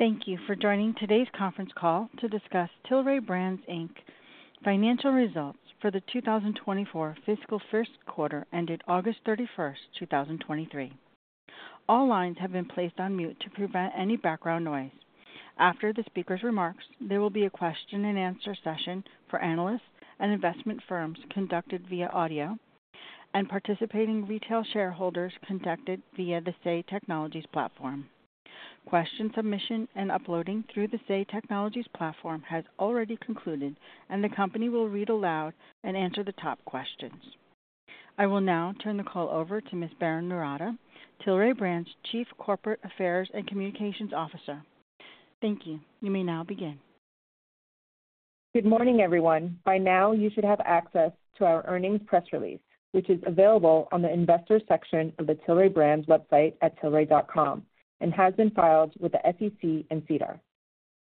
Thank you for joining today's conference call to discuss Tilray Brands, Inc. financial results for the 2024 fiscal first quarter ended August 31, 2023. All lines have been placed on mute to prevent any background noise. After the speaker's remarks, there will be a question and answer session for analysts and investment firms conducted via audio, and participating retail shareholders conducted via the Say Technologies platform. Question submission and uploading through the Say Technologies platform has already concluded, and the company will read aloud and answer the top questions. I will now turn the call over to Ms. Berrin Noorata, Tilray Brands Chief Corporate Affairs and Communications Officer. Thank you. You may now begin. Good morning, everyone. By now, you should have access to our earnings press release, which is available on the Investor section of the Tilray Brands website at tilray.com and has been filed with the SEC and SEDAR.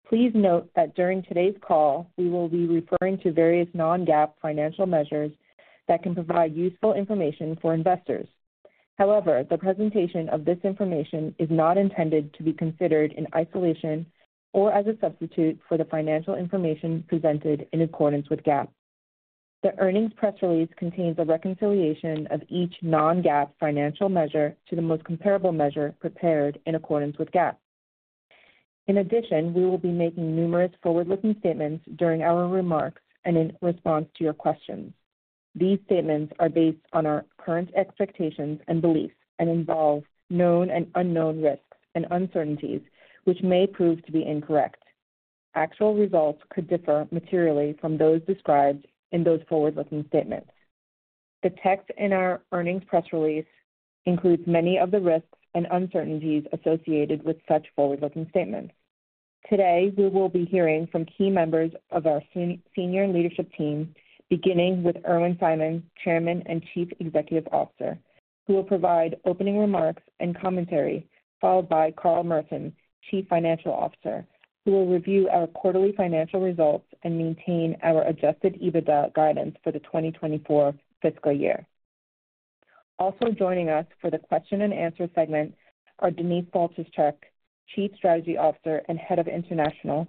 Please note that during today's call, we will be referring to various non-GAAP financial measures that can provide useful information for investors. However, the presentation of this information is not intended to be considered in isolation or as a substitute for the financial information presented in accordance with GAAP. The earnings press release contains a reconciliation of each non-GAAP financial measure to the most comparable measure prepared in accordance with GAAP. In addition, we will be making numerous forward-looking statements during our remarks and in response to your questions. These statements are based on our current expectations and beliefs and involve known and unknown risks and uncertainties which may prove to be incorrect. Actual results could differ materially from those described in those forward-looking statements. The text in our earnings press release includes many of the risks and uncertainties associated with such forward-looking statements. Today, we will be hearing from key members of our senior leadership team, beginning with Irwin Simon, Chairman and Chief Executive Officer, who will provide opening remarks and commentary, followed by Carl Merton, Chief Financial Officer, who will review our quarterly financial results and maintain our Adjusted EBITDA guidance for the 2024 fiscal year. Also joining us for the question and answer segment are Denise Faltischek, Chief Strategy Officer and Head of International,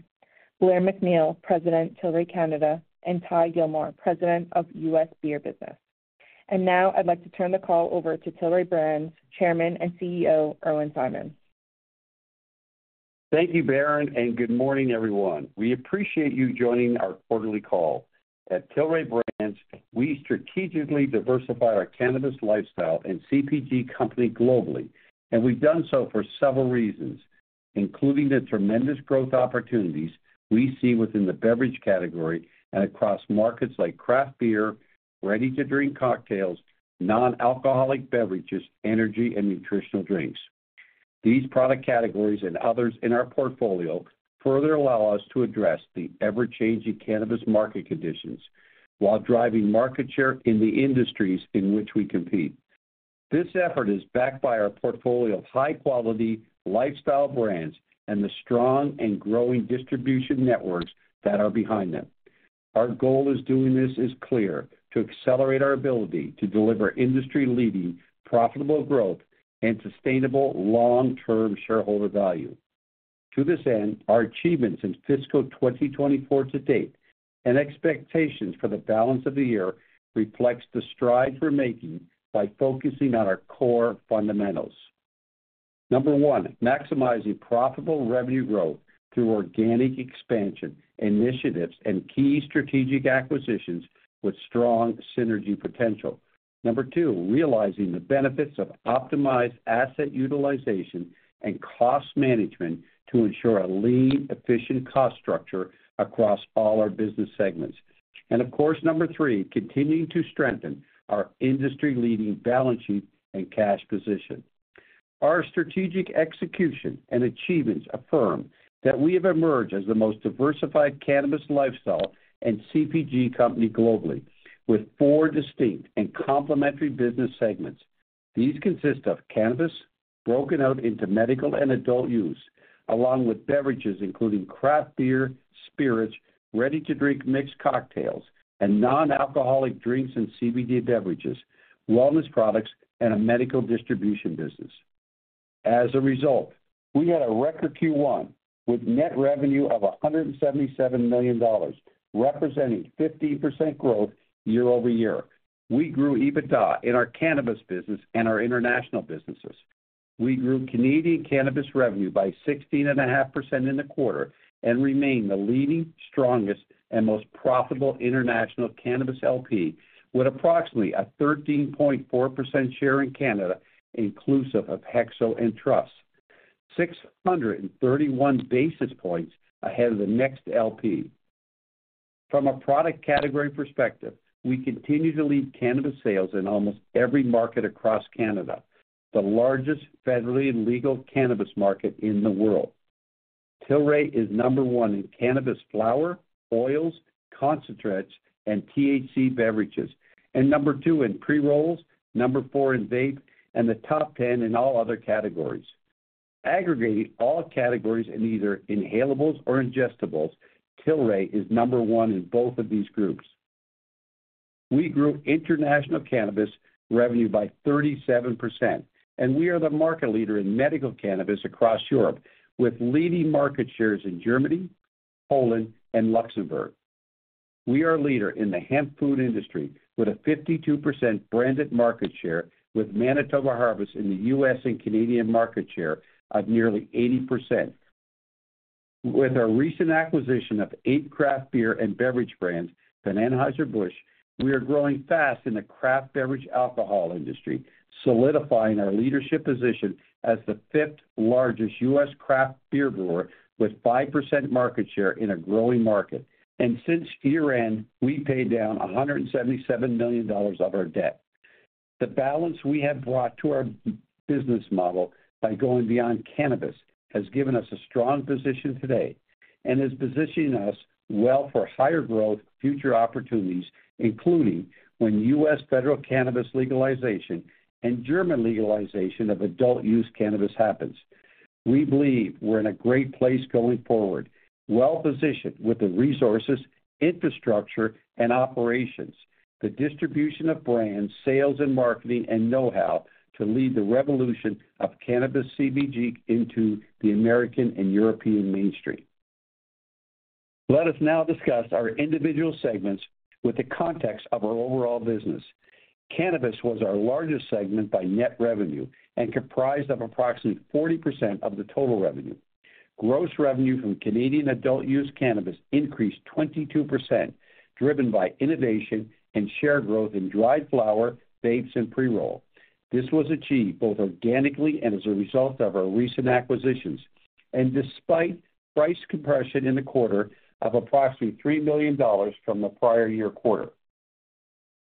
Blair MacNeil, President, Canada, and Ty Gilmore, President, U.S. Beer. And now I'd like to turn the call over to Tilray Brands Chairman and CEO, Irwin Simon. Thank you, Berrin, and good morning, everyone. We appreciate you joining our quarterly call. At Tilray Brands, we strategically diversify our cannabis-lifestyle and CPG company globally, and we've done so for several reasons, including the tremendous growth opportunities we see within the beverage category and across markets like craft beer, ready-to-drink cocktails, non-alcoholic beverages, energy and nutritional drinks. These product categories and others in our portfolio further allow us to address the ever-changing cannabis market conditions while driving market share in the industries in which we compete. This effort is backed by our portfolio of high-quality lifestyle brands and the strong and growing distribution networks that are behind them. Our goal is doing this is clear: to accelerate our ability to deliver industry-leading, profitable growth and sustainable long-term shareholder value. To this end, our achievements in fiscal 2024 to date and expectations for the balance of the year reflects the stride we're making by focusing on our core fundamentals. Number one, maximizing profitable revenue growth through organic expansion, initiatives, and key strategic acquisitions with strong synergy potential. Number two, realizing the benefits of optimized asset utilization and cost management to ensure a lean, efficient cost structure across all our business segments. And of course, number three, continuing to strengthen our industry-leading balance sheet and cash position. Our strategic execution and achievements affirm that we have emerged as the most diversified cannabis-lifestyle and CPG company globally, with four distinct and complementary business segments. These consist of Cannabis, broken out into medical and adult-use, along with beverages including craft beer, spirits, ready-to-drink mixed cocktails, and non-alcoholic drinks and CBD beverages, wellness products, and a medical distribution business. As a result, we had a record Q1 with net revenue of $177 million, representing 15% growth year-over-year. We grew EBITDA in our Cannabis business and our international businesses. We grew Canadian cannabis revenue by 16.5% in the quarter and remain the leading, strongest, and most profitable international cannabis LP, with approximately a 13.4% share in Canada, inclusive of HEXO and Truss, 631 basis points ahead of the next LP. From a product category perspective, we continue to lead Cannabis sales in almost every market across Canada, the largest federally legal cannabis market in the world. Tilray is number one in cannabis flower, oils, concentrates, and THC beverages, and number two in pre-rolls, number four in vape, and the top 10 in all other categories. Aggregating all categories in either inhalables or ingestibles, Tilray is number one in both of these groups. We grew international cannabis revenue by 37%, and we are the market leader in medical cannabis across Europe, with leading market shares in Germany, Poland, and Luxembourg. We are a leader in the hemp food industry with a 52% branded market share, with Manitoba Harvest in the U.S. and Canadian market share of nearly 80%. With our recent acquisition of eight craft beer and beverage brands from Anheuser-Busch, we are growing fast in the craft Beverage Alcohol industry, solidifying our leadership position as the fifth largest U.S. craft beer brewer, with 5% market share in a growing market. Since year-end, we paid down $177 million of our debt. The balance we have brought to our business model by going beyond Cannabis has given us a strong position today and is positioning us well for higher growth, future opportunities, including when U.S. federal cannabis legalization and German legalization of adult-use cannabis happens. We believe we're in a great place going forward, well-positioned with the resources, infrastructure, and operations, the distribution of brands, sales and marketing, and know-how to lead the revolution of cannabis CBG into the American and European mainstream. Let us now discuss our individual segments with the context of our overall business. Cannabis was our largest segment by net revenue and comprised of approximately 40% of the total revenue. Gross revenue from Canadian adult-use cannabis increased 22%, driven by innovation and share growth in dried flower, vapes, and pre-roll. This was achieved both organically and as a result of our recent acquisitions, and despite price compression in the quarter of approximately $3 million from the prior year quarter.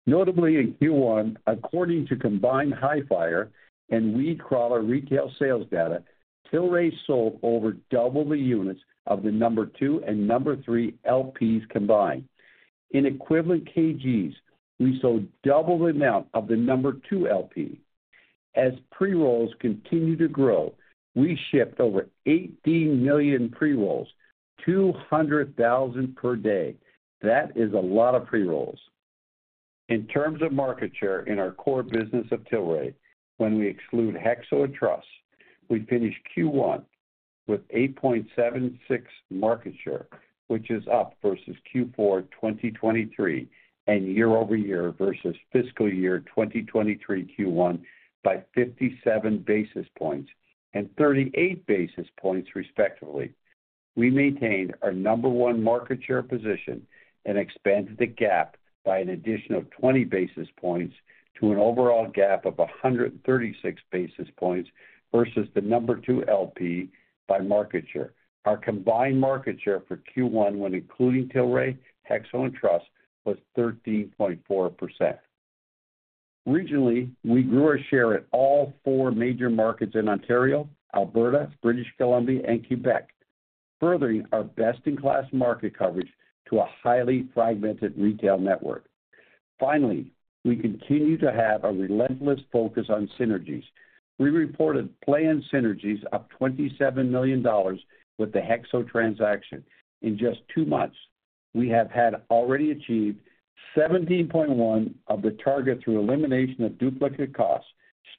Notably, in Q1, according to combined Hifyre and WeedCrawler retail sales data, Tilray sold over double the units of the number one and number three LPs combined. In equivalent kgs, we sold double the amount of the number two LP. As pre-rolls continue to grow, we shipped over 18 million pre-rolls, 200,000 per day. That is a lot of pre-rolls. In terms of market share in our core business of Tilray, when we exclude HEXO and Truss, we finished Q1 with 8.76% market share, which is up versus Q4 2023 and year-over-year versus fiscal year 2023 Q1 by 57 basis points and 38 basis points, respectively. We maintained our number one market share position and expanded the gap by an additional 20 basis points to an overall gap of 136 basis points versus the number two LP by market share. Our combined market share for Q1, when including Tilray, HEXO and Truss, was 13.4%. Regionally, we grew our share at all four major markets in Ontario, Alberta, British Columbia, and Quebec, furthering our best-in-class market coverage to a highly fragmented retail network. Finally, we continue to have a relentless focus on synergies. We reported planned synergies up $27 million with the HEXO transaction. In just two months, we have had already achieved $17.1 million of the target through elimination of duplicate costs,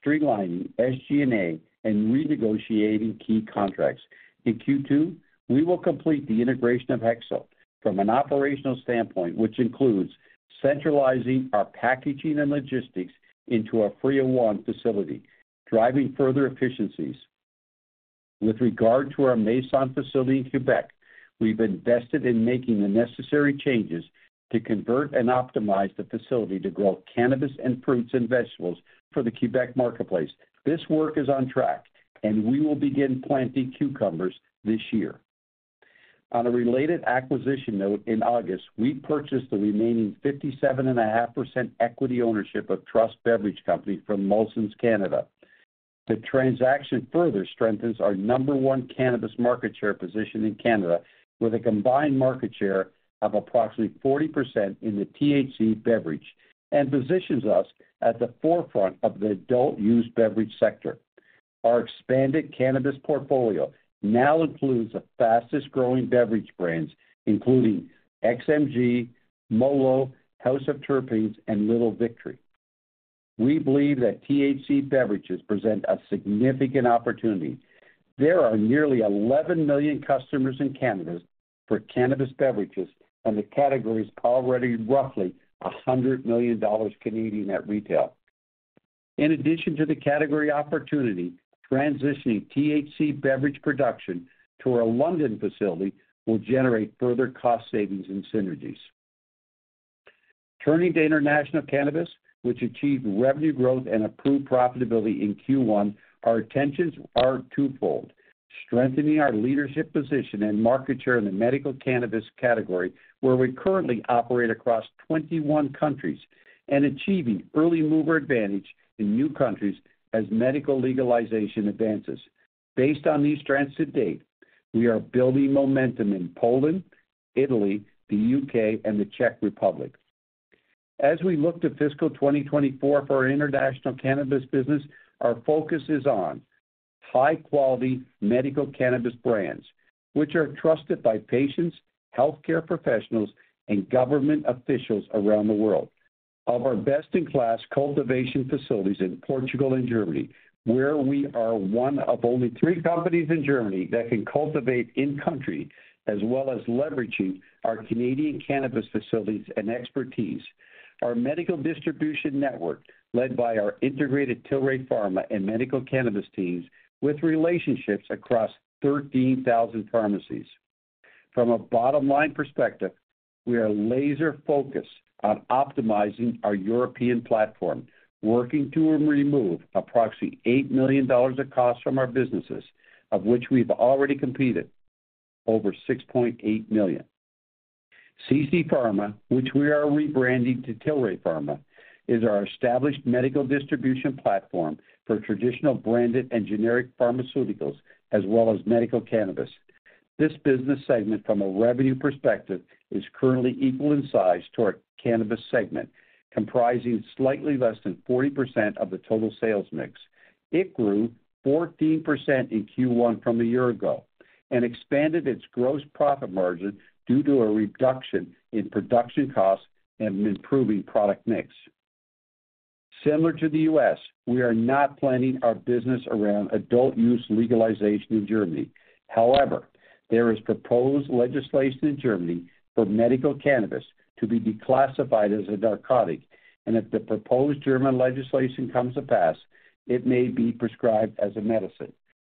streamlining SG&A, and renegotiating key contracts. In Q2, we will complete the integration of HEXO from an operational standpoint, which includes centralizing our packaging and logistics into our three-in-one facility, driving further efficiencies. With regard to our Masson facility in Quebec, we've invested in making the necessary changes to convert and optimize the facility to grow cannabis and fruits and vegetables for the Quebec marketplace. This work is on track, and we will begin planting cucumbers this year. On a related acquisition note, in August, we purchased the remaining 57.5% equity ownership of Truss Beverage Company from Molson Canada. The transaction further strengthens our number one cannabis market share position in Canada, with a combined market share of approximately 40% in the THC beverage, and positions us at the forefront of the adult-use beverage sector. Our expanded Cannabis portfolio now includes the fastest-growing beverage brands, including XMG, Mollo, House of Terpenes, and Little Victory. We believe that THC beverages present a significant opportunity. There are nearly 11 million customers in Canada for cannabis beverages, and the category is already roughly 100 million Canadian dollars at retail. In addition to the category opportunity, transitioning THC beverage production to our London facility will generate further cost savings and synergies. Turning to international cannabis, which achieved revenue growth and improved profitability in Q1, our intentions are twofold: strengthening our leadership position and market share in the medical cannabis category, where we currently operate across 21 countries, and achieving early mover advantage in new countries as medical legalization advances. Based on these trends to date, we are building momentum in Poland, Italy, the U.K., and the Czech Republic. As we look to fiscal 2024 for our international cannabis business, our focus is on: high-quality medical cannabis brands, which are trusted by patients, healthcare professionals, and government officials around the world. Of our best-in-class cultivation facilities in Portugal and Germany, where we are one of only three companies in Germany that can cultivate in-country, as well as leveraging our Canadian cannabis facilities and expertise, our medical distribution network, led by our integrated Tilray Pharma and medical cannabis teams, with relationships across 13,000 pharmacies. From a bottom-line perspective, we are laser-focused on optimizing our European platform, working to remove approximately $8 million of costs from our businesses, of which we've already completed over $6.8 million. CC Pharma, which we are rebranding to Tilray Pharma, is our established medical distribution platform for traditional branded and generic pharmaceuticals, as well as medical cannabis. This business segment, from a revenue perspective, is currently equal in size to our Cannabis segment, comprising slightly less than 40% of the total sales mix. It grew 14% in Q1 from a year ago and expanded its gross profit margin due to a reduction in production costs and improving product mix. Similar to the U.S., we are not planning our business around adult use legalization in Germany. However, there is proposed legislation in Germany for medical cannabis to be declassified as a narcotic, and if the proposed German legislation comes to pass, it may be prescribed as a medicine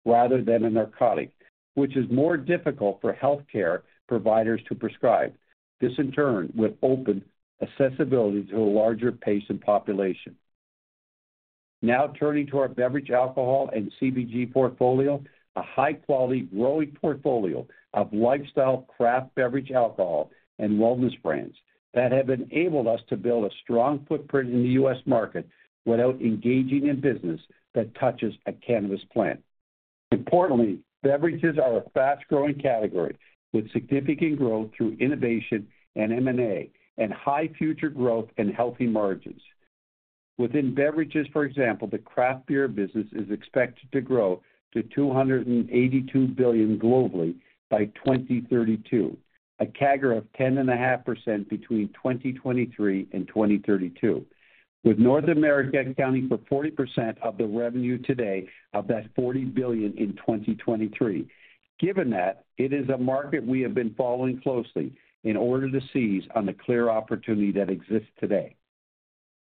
rather than a narcotic, which is more difficult for healthcare providers to prescribe. This, in turn, would open accessibility to a larger patient population. Now turning to our beverage, alcohol, and CPG portfolio, a high-quality, growing portfolio of lifestyle, craft, beverage, alcohol, and wellness brands that have enabled us to build a strong footprint in the U.S. market without engaging in business that touches a cannabis plant. Importantly, beverages are a fast-growing category, with significant growth through innovation and M&A, and high future growth and healthy margins. Within beverages, for example, the craft beer business is expected to grow to $282 billion globally by 2032, a CAGR of 10.5% between 2023 and 2032, with North America accounting for 40% of the revenue today, of that $40 billion in 2023. Given that, it is a market we have been following closely in order to seize on the clear opportunity that exists today.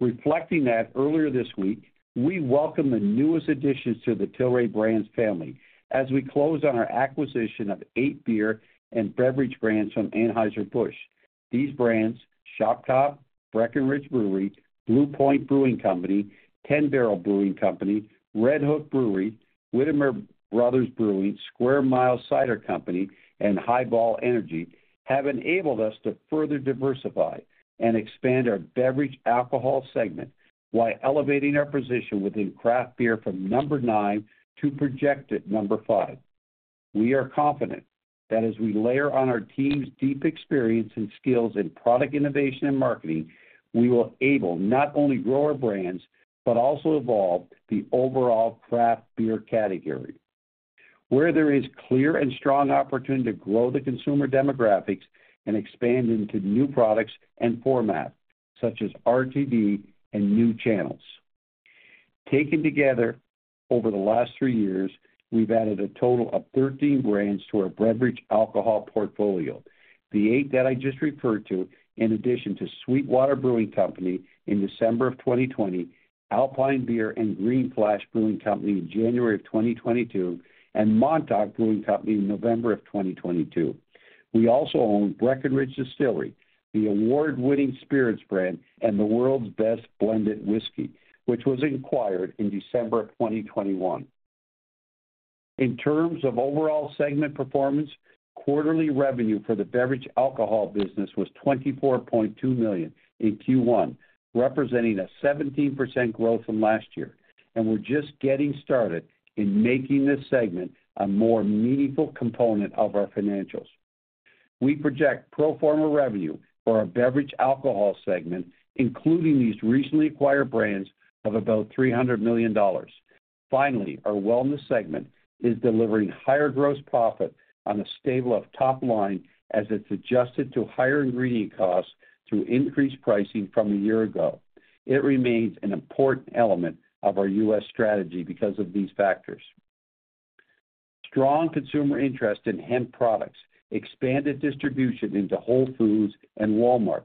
Reflecting that, earlier this week, we welcome the newest additions to the Tilray Brands family as we close on our acquisition of eight beer and beverage brands from Anheuser-Busch. These brands, Shock Top, Breckenridge Brewery, Blue Point Brewing Company, 10 Barrel Brewing Company, Redhook Brewery, Widmer Brothers Brewing, Square Mile Cider Company, and HiBall Energy, have enabled us to further diversify and expand our Beverage Alcohol segment while elevating our position within craft beer from number nine to projected number five. We are confident that as we layer on our team's deep experience and skills in product innovation and marketing, we will able not only grow our brands, but also evolve the overall craft beer category, where there is clear and strong opportunity to grow the consumer demographics and expand into new products and formats such as RTD and new channels. Taken together, over the last three years, we've added a total of 13 brands to our Beverage Alcohol portfolio. The eight that I just referred to, in addition to SweetWater Brewing Company in December of 2020, Alpine Beer and Green Flash Brewing Company in January of 2022, and Montauk Brewing Company in November of 2022. We also own Breckenridge Distillery, the award-winning spirits brand, and the world's best blended whiskey, which was acquired in December of 2021. In terms of overall segment performance, quarterly revenue for the Beverage Alcohol business was $24.2 million in Q1, representing a 17% growth from last year, and we're just getting started in making this segment a more meaningful component of our financials. We project pro forma revenue for our Beverage Alcohol segment, including these recently acquired brands, of about $300 million. Finally, our Wellness segment is delivering higher gross profit on a stable topline as it's Adjusted to higher ingredient costs through increased pricing from a year ago. It remains an important element of our U.S. strategy because of these factors: Strong consumer interest in hemp products, expanded distribution into Whole Foods and Walmart,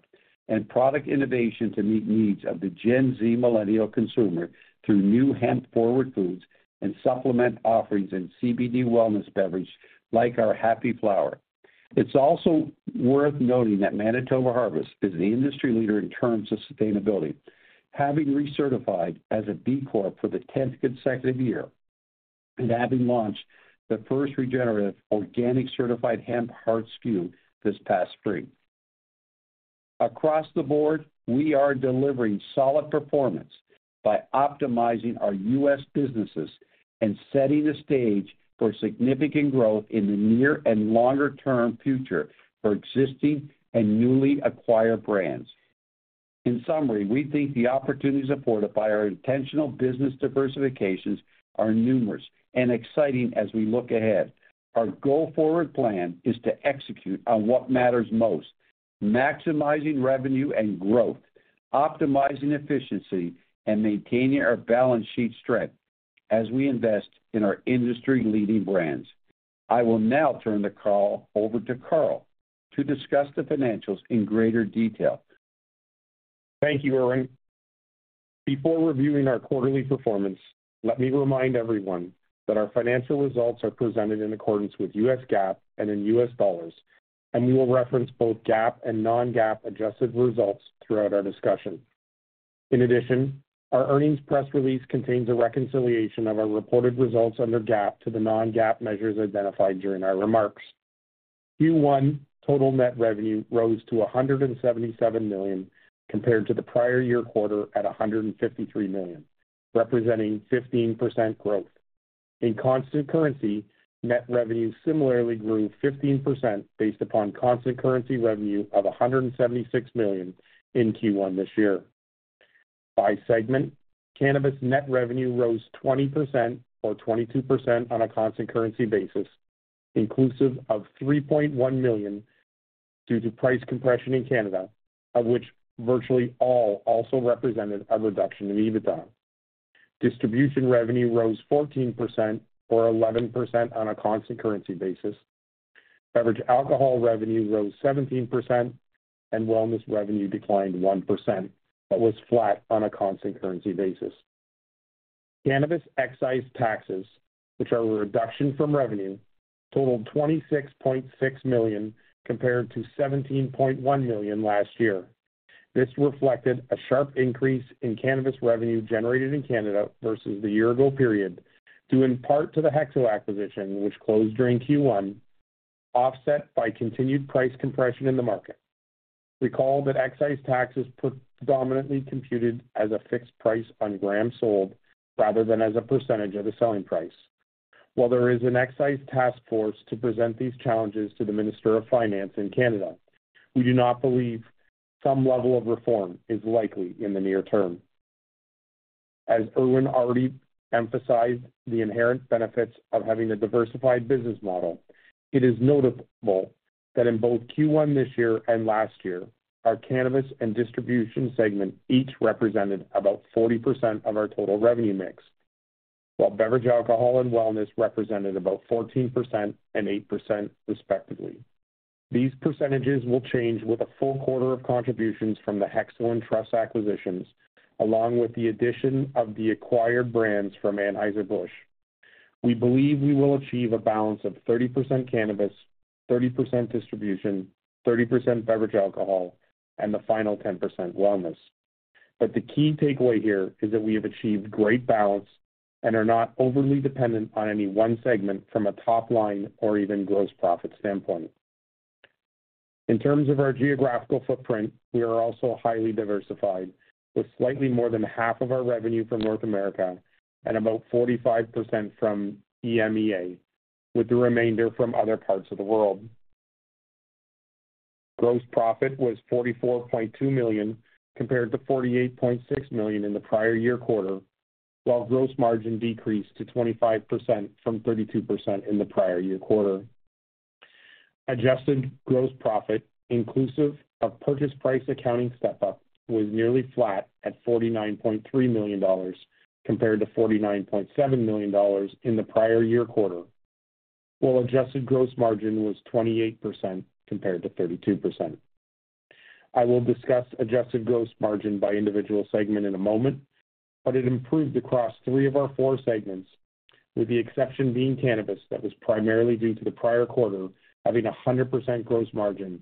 and product innovation to meet needs of the Gen Z Millennial consumer through new hemp-forward foods and supplement offerings in CBD wellness beverage like our Happy Flower. It's also worth noting that Manitoba Harvest is the industry leader in terms of sustainability, having recertified as a B Corp for the tenth consecutive year and having launched the first Regenerative Organic Certified hemp heart SKU this past spring. Across the board, we are delivering solid performance by optimizing our U.S. businesses and setting the stage for significant growth in the near and longer-term future for existing and newly acquired brands. In summary, we think the opportunities afforded by our intentional business diversifications are numerous and exciting as we look ahead. Our go-forward plan is to execute on what matters most, maximizing revenue and growth, optimizing efficiency, and maintaining our balance sheet strength as we invest in our industry-leading brands. I will now turn the call over to Carl to discuss the financials in greater detail. Thank you, Irwin. Before reviewing our quarterly performance, let me remind everyone that our financial results are presented in accordance with U.S. GAAP and in U.S. dollars, and we will reference both GAAP and non-GAAP Adjusted results throughout our discussion. In addition, our earnings press release contains a reconciliation of our reported results under GAAP to the non-GAAP measures identified during our remarks. Q1 total net revenue rose to $177 million, compared to the prior year quarter at $153 million, representing 15% growth. In constant currency, net revenue similarly grew 15%, based upon constant currency revenue of $176 million in Q1 this year. By segment, Cannabis net revenue rose 20%, or 22% on a constant currency basis, inclusive of $3.1 million due to price compression in Canada, of which virtually all also represented a reduction in EBITDA. Distribution revenue rose 14%, or 11% on a constant currency basis. Beverage Alcohol revenue rose 17%, and Wellness revenue declined 1%, but was flat on a constant currency basis. Cannabis excise taxes, which are a reduction from revenue, totaled $26.6 million, compared to $17.1 million last year. This reflected a sharp increase in cannabis revenue generated in Canada versus the year-ago period, due in part to the HEXO acquisition, which closed during Q1, offset by continued price compression in the market. Recall that excise tax is predominantly computed as a fixed price on grams sold rather than as a percentage of the selling price. While there is an excise task force to present these challenges to the Minister of Finance in Canada, we do not believe some level of reform is likely in the near term. As Irwin already emphasized, the inherent benefits of having a diversified business model. It is notable that in both Q1 this year and last year, our Cannabis and Distribution segment each represented about 40% of our total revenue mix, while beverage, alcohol, and wellness represented about 14% and 8%, respectively. These percentages will change with a full quarter of contributions from the Hexo and Truss acquisitions, along with the addition of the acquired brands from Anheuser-Busch. We believe we will achieve a balance of 30% Cannabis, 30% Distribution, 30% Beverage Alcohol, and the final 10% Wellness. But the key takeaway here is that we have achieved great balance and are not overly dependent on any one segment from a top-line or even gross profit standpoint. In terms of our geographical footprint, we are also highly diversified, with slightly more than half of our revenue from North America and about 45% from EMEA, with the remainder from other parts of the world. Gross profit was $44.2 million, compared to $48.6 million in the prior-year quarter, while gross margin decreased to 25% from 32% in the prior-year quarter. Adjusted gross profit, inclusive of purchase price accounting step-up, was nearly flat at $49.3 million, compared to $49.7 million in the prior-year quarter, while Adjusted gross margin was 28% compared to 32%. I will discuss Adjusted gross margin by individual segment in a moment, but it improved across three of our four segments, with the exception being cannabis. That was primarily due to the prior quarter having a 100% gross margin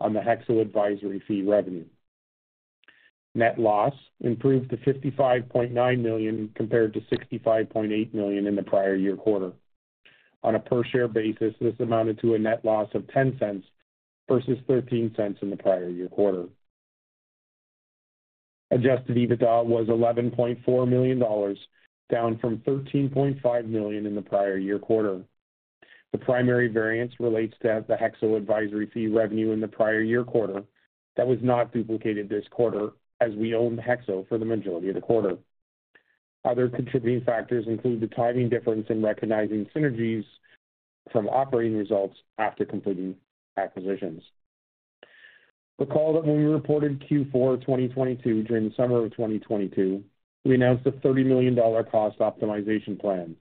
on the HEXO advisory fee revenue. Net loss improved to $55.9 million, compared to $65.8 million in the prior year quarter. On a per-share basis, this amounted to a net loss of $0.10 versus $0.13 in the prior year quarter. Adjusted EBITDA was $11.4 million, down from $13.5 million in the prior year quarter. The primary variance relates to the HEXO advisory fee revenue in the prior year quarter that was not duplicated this quarter as we owned HEXO for the majority of the quarter. Other contributing factors include the timing difference in recognizing synergies from operating results after completing acquisitions. Recall that when we reported Q4 2022, during the summer of 2022, we announced a $30 million cost optimization plan.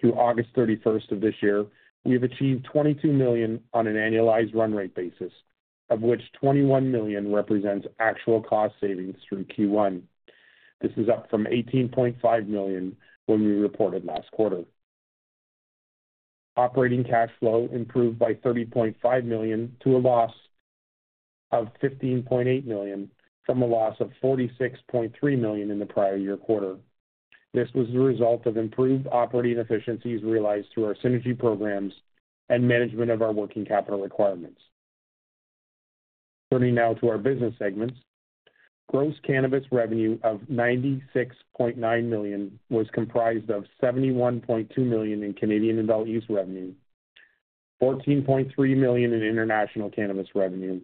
Through August 31 of this year, we have achieved $22 million on an annualized run rate basis, of which $21 million represents actual cost savings through Q1. This is up from $18.5 million when we reported last quarter. Operating cash flow improved by $30.5 million, to a loss of $15.8 million, from a loss of $46.3 million in the prior year quarter. This was the result of improved operating efficiencies realized through our synergy programs and management of our working capital requirements. Turning now to our business segments. Gross cannabis revenue of $96.9 million was comprised of $71.2 million in Canadian adult-use revenue, $14.3 million in international cannabis revenue,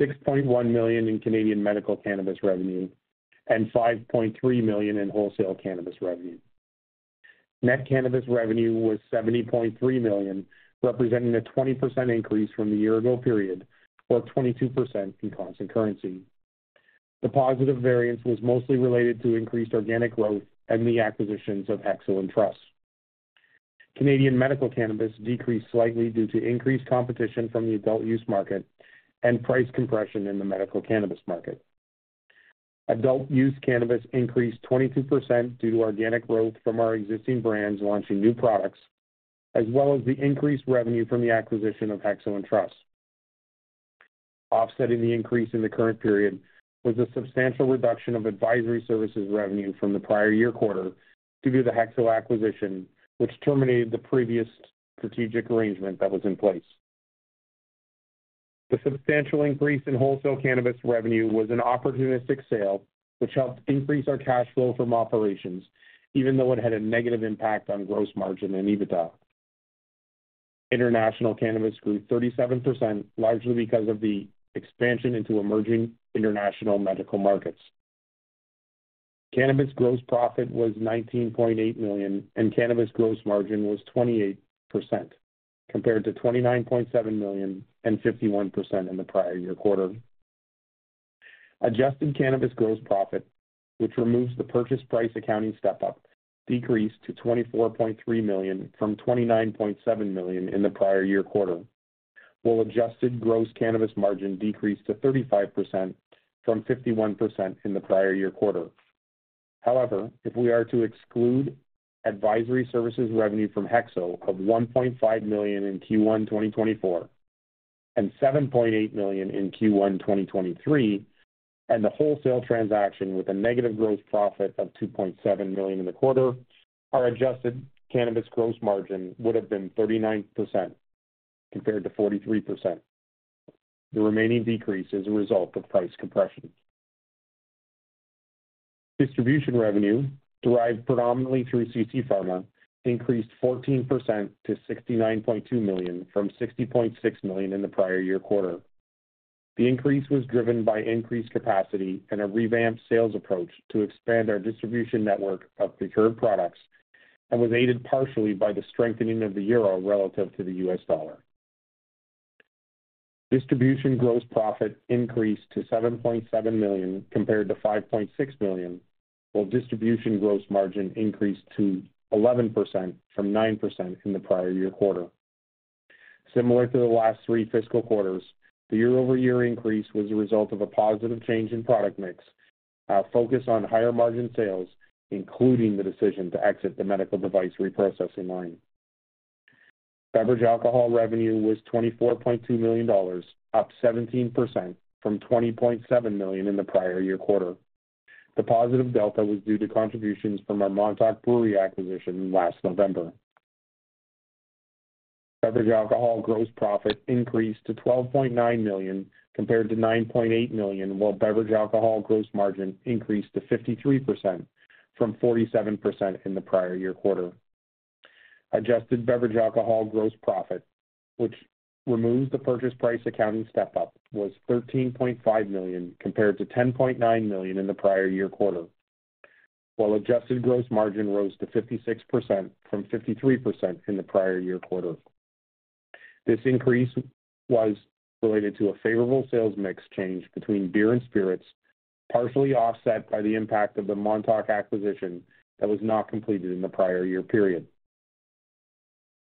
$6.1 million in Canadian medical cannabis revenue, and $5.3 million in wholesale cannabis revenue. Net cannabis revenue was $70.3 million, representing a 20% increase from the year-ago period, or 22% in constant currency. The positive variance was mostly related to increased organic growth and the acquisitions of HEXO and Truss. Canadian medical cannabis decreased slightly due to increased competition from the adult-use market and price compression in the medical cannabis market. Adult-use cannabis increased 22% due to organic growth from our existing brands launching new products, as well as the increased revenue from the acquisition of HEXO and Truss. Offsetting the increase in the current period was a substantial reduction of advisory services revenue from the prior year quarter due to the HEXO acquisition, which terminated the previous strategic arrangement that was in place. The substantial increase in wholesale cannabis revenue was an opportunistic sale, which helped increase our cash flow from operations, even though it had a negative impact on gross margin and EBITDA. International cannabis grew 37%, largely because of the expansion into emerging international medical markets. Cannabis gross profit was $19.8 million, and cannabis gross margin was 28%, compared to $29.7 million and 51% in the prior year quarter. Adjusted cannabis gross profit, which removes the purchase price accounting step-up, decreased to $24.3 million from $29.7 million in the prior year quarter. While Adjusted gross cannabis margin decreased to 35% from 51% in the prior year quarter. However, if we are to exclude advisory services revenue from Hexo of $1.5 million in Q1 2024, and $7.8 million in Q1 2023, and the wholesale transaction with a negative gross profit of $2.7 million in the quarter, our Adjusted cannabis gross margin would have been 39% compared to 43%. The remaining decrease is a result of price compression. Distribution revenue, derived predominantly through CC Pharma, increased 14% to $69.2 million from $60.6 million in the prior year quarter. The increase was driven by increased capacity and a revamped sales approach to expand our Distribution network of procured products, and was aided partially by the strengthening of the euro relative to the U.S. dollar. Distribution gross profit increased to $7.7 million, compared to $5.6 million, while Distribution gross margin increased to 11% from 9% in the prior year quarter. Similar to the last three fiscal quarters, the year-over-year increase was a result of a positive change in product mix. Our focus on higher margin sales, including the decision to exit the medical device reprocessing line. Beverage Alcohol revenue was $24.2 million, up 17% from $20.7 million in the prior year quarter. The positive delta was due to contributions from our Montauk Brewery acquisition last November. Beverage Alcohol gross profit increased to $12.9 million, compared to $9.8 million, while Beverage Alcohol gross margin increased to 53% from 47% in the prior year quarter. Adjusted Beverage Alcohol gross profit, which removes the purchase price accounting step-up, was $13.5 million, compared to $10.9 million in the prior year quarter, while Adjusted gross margin rose to 56% from 53% in the prior year quarter. This increase was related to a favorable sales mix change between beer and spirits, partially offset by the impact of the Montauk acquisition that was not completed in the prior year period.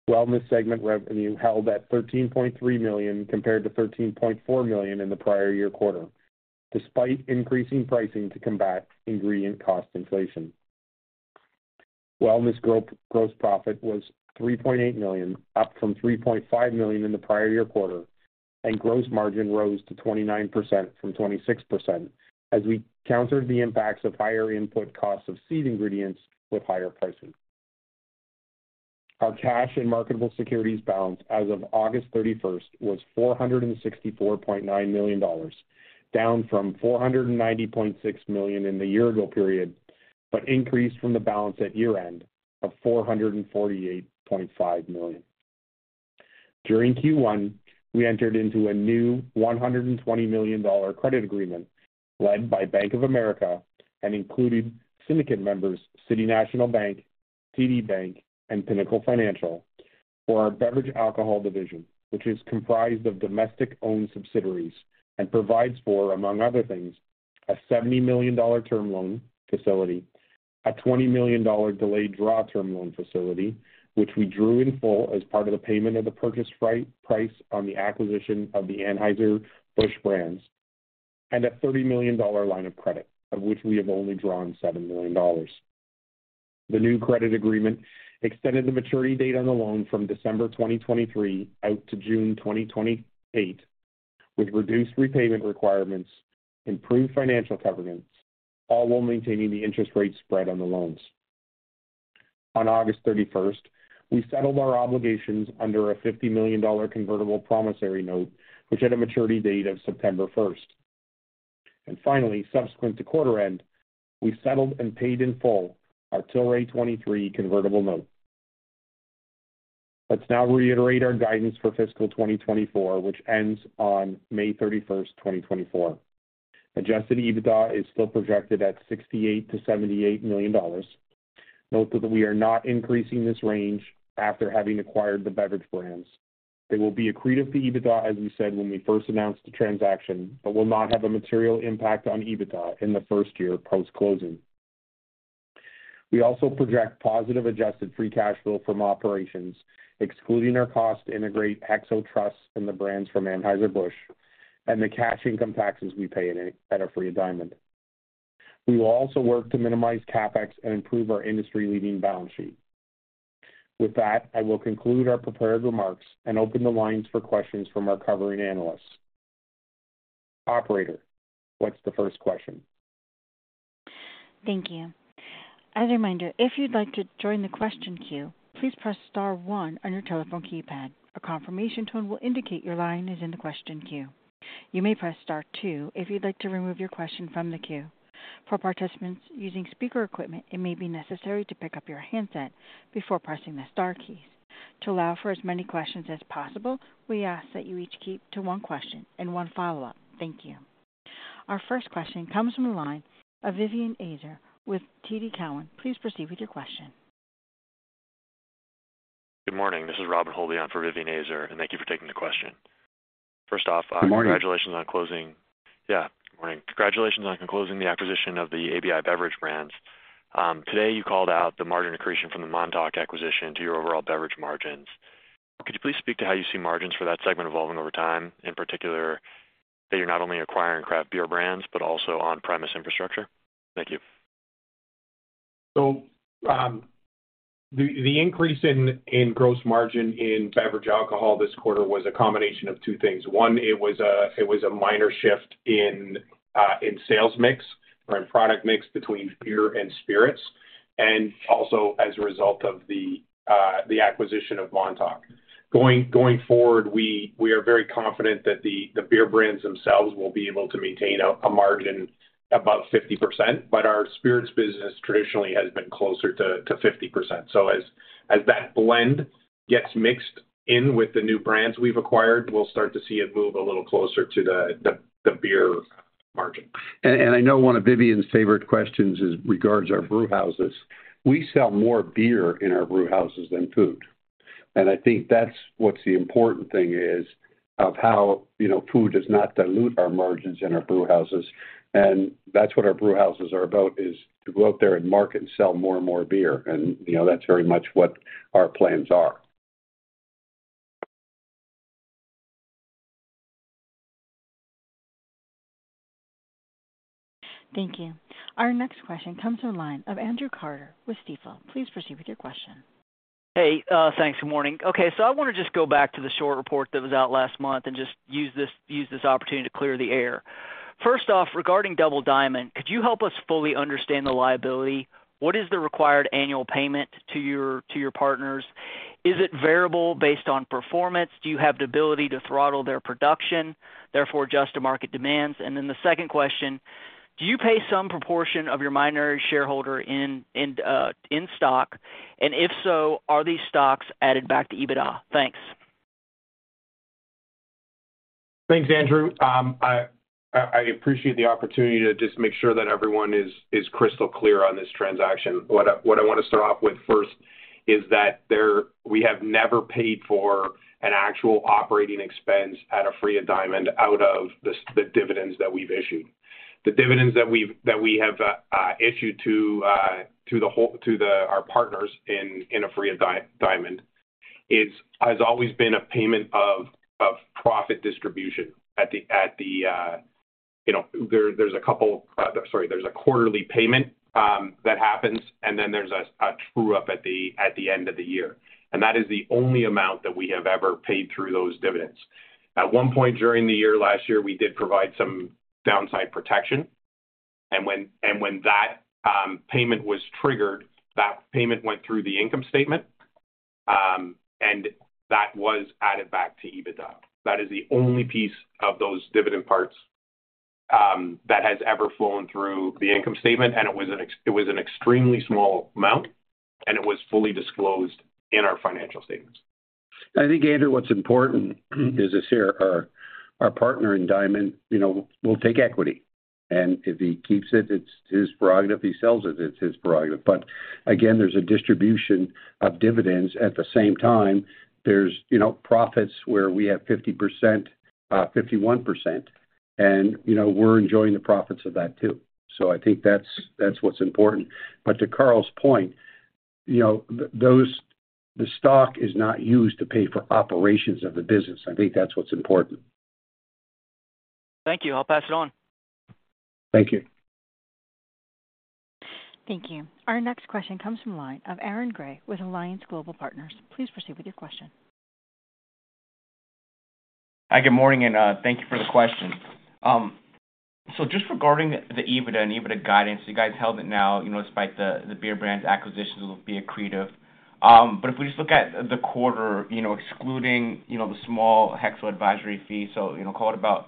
Wellness segment revenue held at $13.3 million, compared to $13.4 million in the prior year quarter, despite increasing pricing to combat ingredient cost inflation. Wellness gross profit was $3.8 million, up from $3.5 million in the prior year quarter, and gross margin rose to 29% from 26%, as we countered the impacts of higher input costs of seed ingredients with higher pricing. Our cash and marketable securities balance as of August 31st was $464.9 million, down from $490.6 million in the year ago period, but increased from the balance at year-end of $448.5 million. During Q1, we entered into a new $120 million credit agreement led by Bank of America and included syndicate members, City National Bank, TD Bank, and Pinnacle Financial for our Beverage Alcohol division, which is comprised of domestic-owned subsidiaries and provides for, among other things, a $70 million term loan facility, a $20 million delayed draw term loan facility, which we drew in full as part of the payment of the purchase price on the acquisition of the Anheuser-Busch brands, and a $30 million line of credit, of which we have only drawn $7 million. The new credit agreement extended the maturity date on the loan from December 2023 out to June 2028, with reduced repayment requirements, improved financial covenants, all while maintaining the interest rate spread on the loans. On August 31st, we settled our obligations under a $50 million convertible promissory note, which had a maturity date of September 1st. Finally, subsequent to quarter end, we settled and paid in full our Tilray 2023 convertible note. Let's now reiterate our guidance for fiscal 2024, which ends on May 31, 2024. Adjusted EBITDA is still projected at $68 million-$78 million. Note that we are not increasing this range after having acquired the beverage brands. They will be accretive to EBITDA, as we said when we first announced the transaction, but will not have a material impact on EBITDA in the first year post-closing. We also project positive Adjusted free cash flow from operations, excluding our cost to integrate HEXO and Truss and the brands from Anheuser-Busch and the cash income taxes we pay in at Aphria Diamond. We will also work to minimize CapEx and improve our industry-leading balance sheet. With that, I will conclude our prepared remarks and open the lines for questions from our covering analysts. Operator, what's the first question? Thank you. As a reminder, if you'd like to join the question queue, please press star one on your telephone keypad. A confirmation tone will indicate your line is in the question queue. You may press star two if you'd like to remove your question from the queue. For participants using speaker equipment, it may be necessary to pick up your handset before pressing the star keys. To allow for as many questions as possible, we ask that you each keep to one question and one follow-up. Thank you. Our first question comes from the line of Vivien Azer with TD Cowen. Please proceed with your question. Good morning. This is Robert Holby for Vivien Azer, and thank you for taking the question. First off- Good morning. Yeah, good morning. Congratulations on closing the acquisition of the ABI Beverage Brands. Today, you called out the margin accretion from the Montauk acquisition to your overall beverage margins. Could you please speak to how you see margins for that segment evolving over time, in particular, that you're not only acquiring craft beer brands, but also on-premise infrastructure? Thank you. So, the increase in gross margin in Beverage Alcohol this quarter was a combination of two things. One, it was a minor shift in sales mix or in product mix between beer and spirits, and also as a result of the acquisition of Montauk. Going forward, we are very confident that the beer brands themselves will be able to maintain a margin above 50%, but our spirits business traditionally has been closer to 50%. So as that blend gets mixed in with the new brands we've acquired, we'll start to see it move a little closer to the beer margin. And I know one of Vivien's favorite questions is regards our brewhouses. We sell more beer in our brewhouses than food, and I think that's what's the important thing is of how, you know, food does not dilute our margins in our brewhouses. And that's what our brewhouses are about, is to go out there and market and sell more and more beer. And, you know, that's very much what our plans are. Thank you. Our next question comes from the line of Andrew Carter with Stifel. Please proceed with your question. Hey, thanks. Good morning. Okay, so I want to just go back to the short report that was out last month and just use this, use this opportunity to clear the air. First off, regarding Aphria Diamond, could you help us fully understand the liability? What is the required annual payment to your partners? Is it variable based on performance? Do you have the ability to throttle their production, therefore, adjust to market demands? And then the second question: Do you pay some proportion of your minority shareholder in stock? And if so, are these stocks added back to EBITDA? Thanks. Thanks, Andrew. I appreciate the opportunity to just make sure that everyone is crystal clear on this transaction. What I want to start off with first is that there. We have never paid for an actual operating expense at Aphria Diamond out of the dividends that we've issued. The dividends that we have issued to our partners in Aphria Diamond, it has always been a payment of profit distribution. There's a quarterly payment that happens, and then there's a true up at the end of the year. That is the only amount that we have ever paid through those dividends. At one point during the year, last year, we did provide some downside protection, and when that payment was triggered, that payment went through the income statement, and that was added back to EBITDA. That is the only piece of those dividend parts that has ever flown through the income statement, and it was an extremely small amount, and it was fully disclosed in our financial statements. I think, Andrew, what's important is this here, our, our partner in Diamond, you know, will take equity, and if he keeps it, it's his prerogative. If he sells it, it's his prerogative. But again, there's a distribution of dividends. At the same time, there's, you know, profits where we have 50%, 51%, and, you know, we're enjoying the profits of that, too. So I think that's, that's what's important. But to Carl's point, you know, those, the stock is not used to pay for operations of the business. I think that's what's important. Thank you. I'll pass it on. Thank you. Thank you. Our next question comes from the line of Aaron Grey with Alliance Global Partners. Please proceed with your question. Hi, good morning, and, thank you for the question. So just regarding the EBITDA and EBITDA guidance, you guys held it now, you know, despite the beer brands acquisitions will be accretive. But if we just look at the quarter, you know, excluding, you know, the small HEXO advisory fee, so, you know, call it about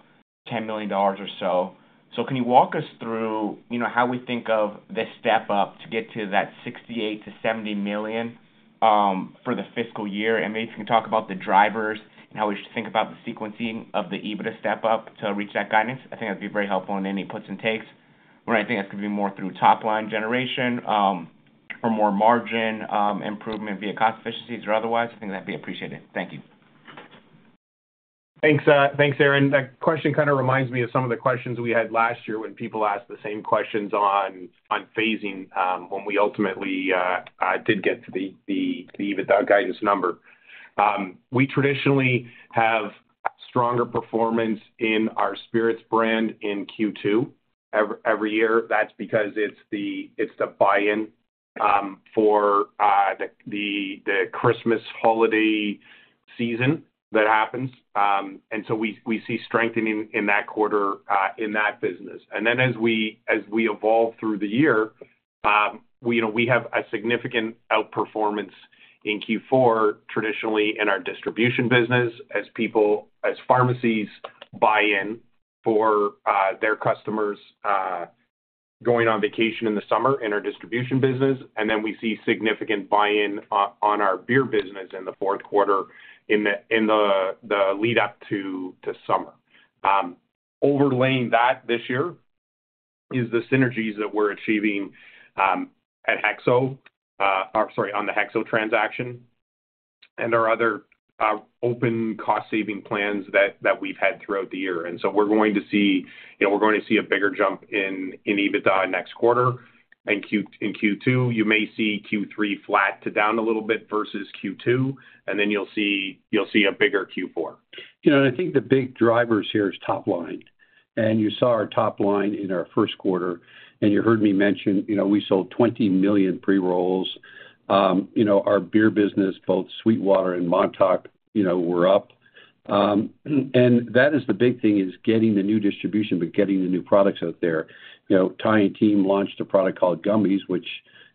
$10 million or so. So can you walk us through, you know, how we think of the step-up to get to that $68 million-$70 million for the fiscal year? And maybe if you can talk about the drivers and how we should think about the sequencing of the EBITDA step up to reach that guidance. I think that'd be very helpful in any puts and takes, where I think that's gonna be more through top-line generation, or more margin improvement via cost efficiencies or otherwise. I think that'd be appreciated. Thank you. Thanks, thanks, Aaron. That question kind of reminds me of some of the questions we had last year when people asked the same questions on phasing, when we ultimately did get to the EBITDA guidance number. We traditionally have stronger performance in our spirits brand in Q2 every year. That's because it's the buy-in for the Christmas holiday season that happens. And so we see strengthening in that quarter, in that business. And then as we evolve through the year, you know, we have a significant outperformance in Q4, traditionally in our Distribution business, as people... As pharmacies buy in for their customers going on vacation in the summer, in our Distribution business. And then we see significant buy-in on our beer business in the fourth quarter, in the lead up to summer. Overlaying that this year is the synergies that we're achieving at HEXO, sorry, on the HEXO transaction and our other open cost-saving plans that we've had throughout the year. And so we're going to see, you know, we're going to see a bigger jump in EBITDA next quarter. In Q2, you may see Q3 flat to down a little bit versus Q2, and then you'll see a bigger Q4. You know, and I think the big drivers here is top line. And you saw our top line in our first quarter, and you heard me mention, you know, we sold 20 million pre-rolls. You know, our beer business, both SweetWater and Montauk, you know, were up. And that is the big thing, is getting the new distribution, but getting the new products out there. You know, Ty and team launched a product called Gummies, which,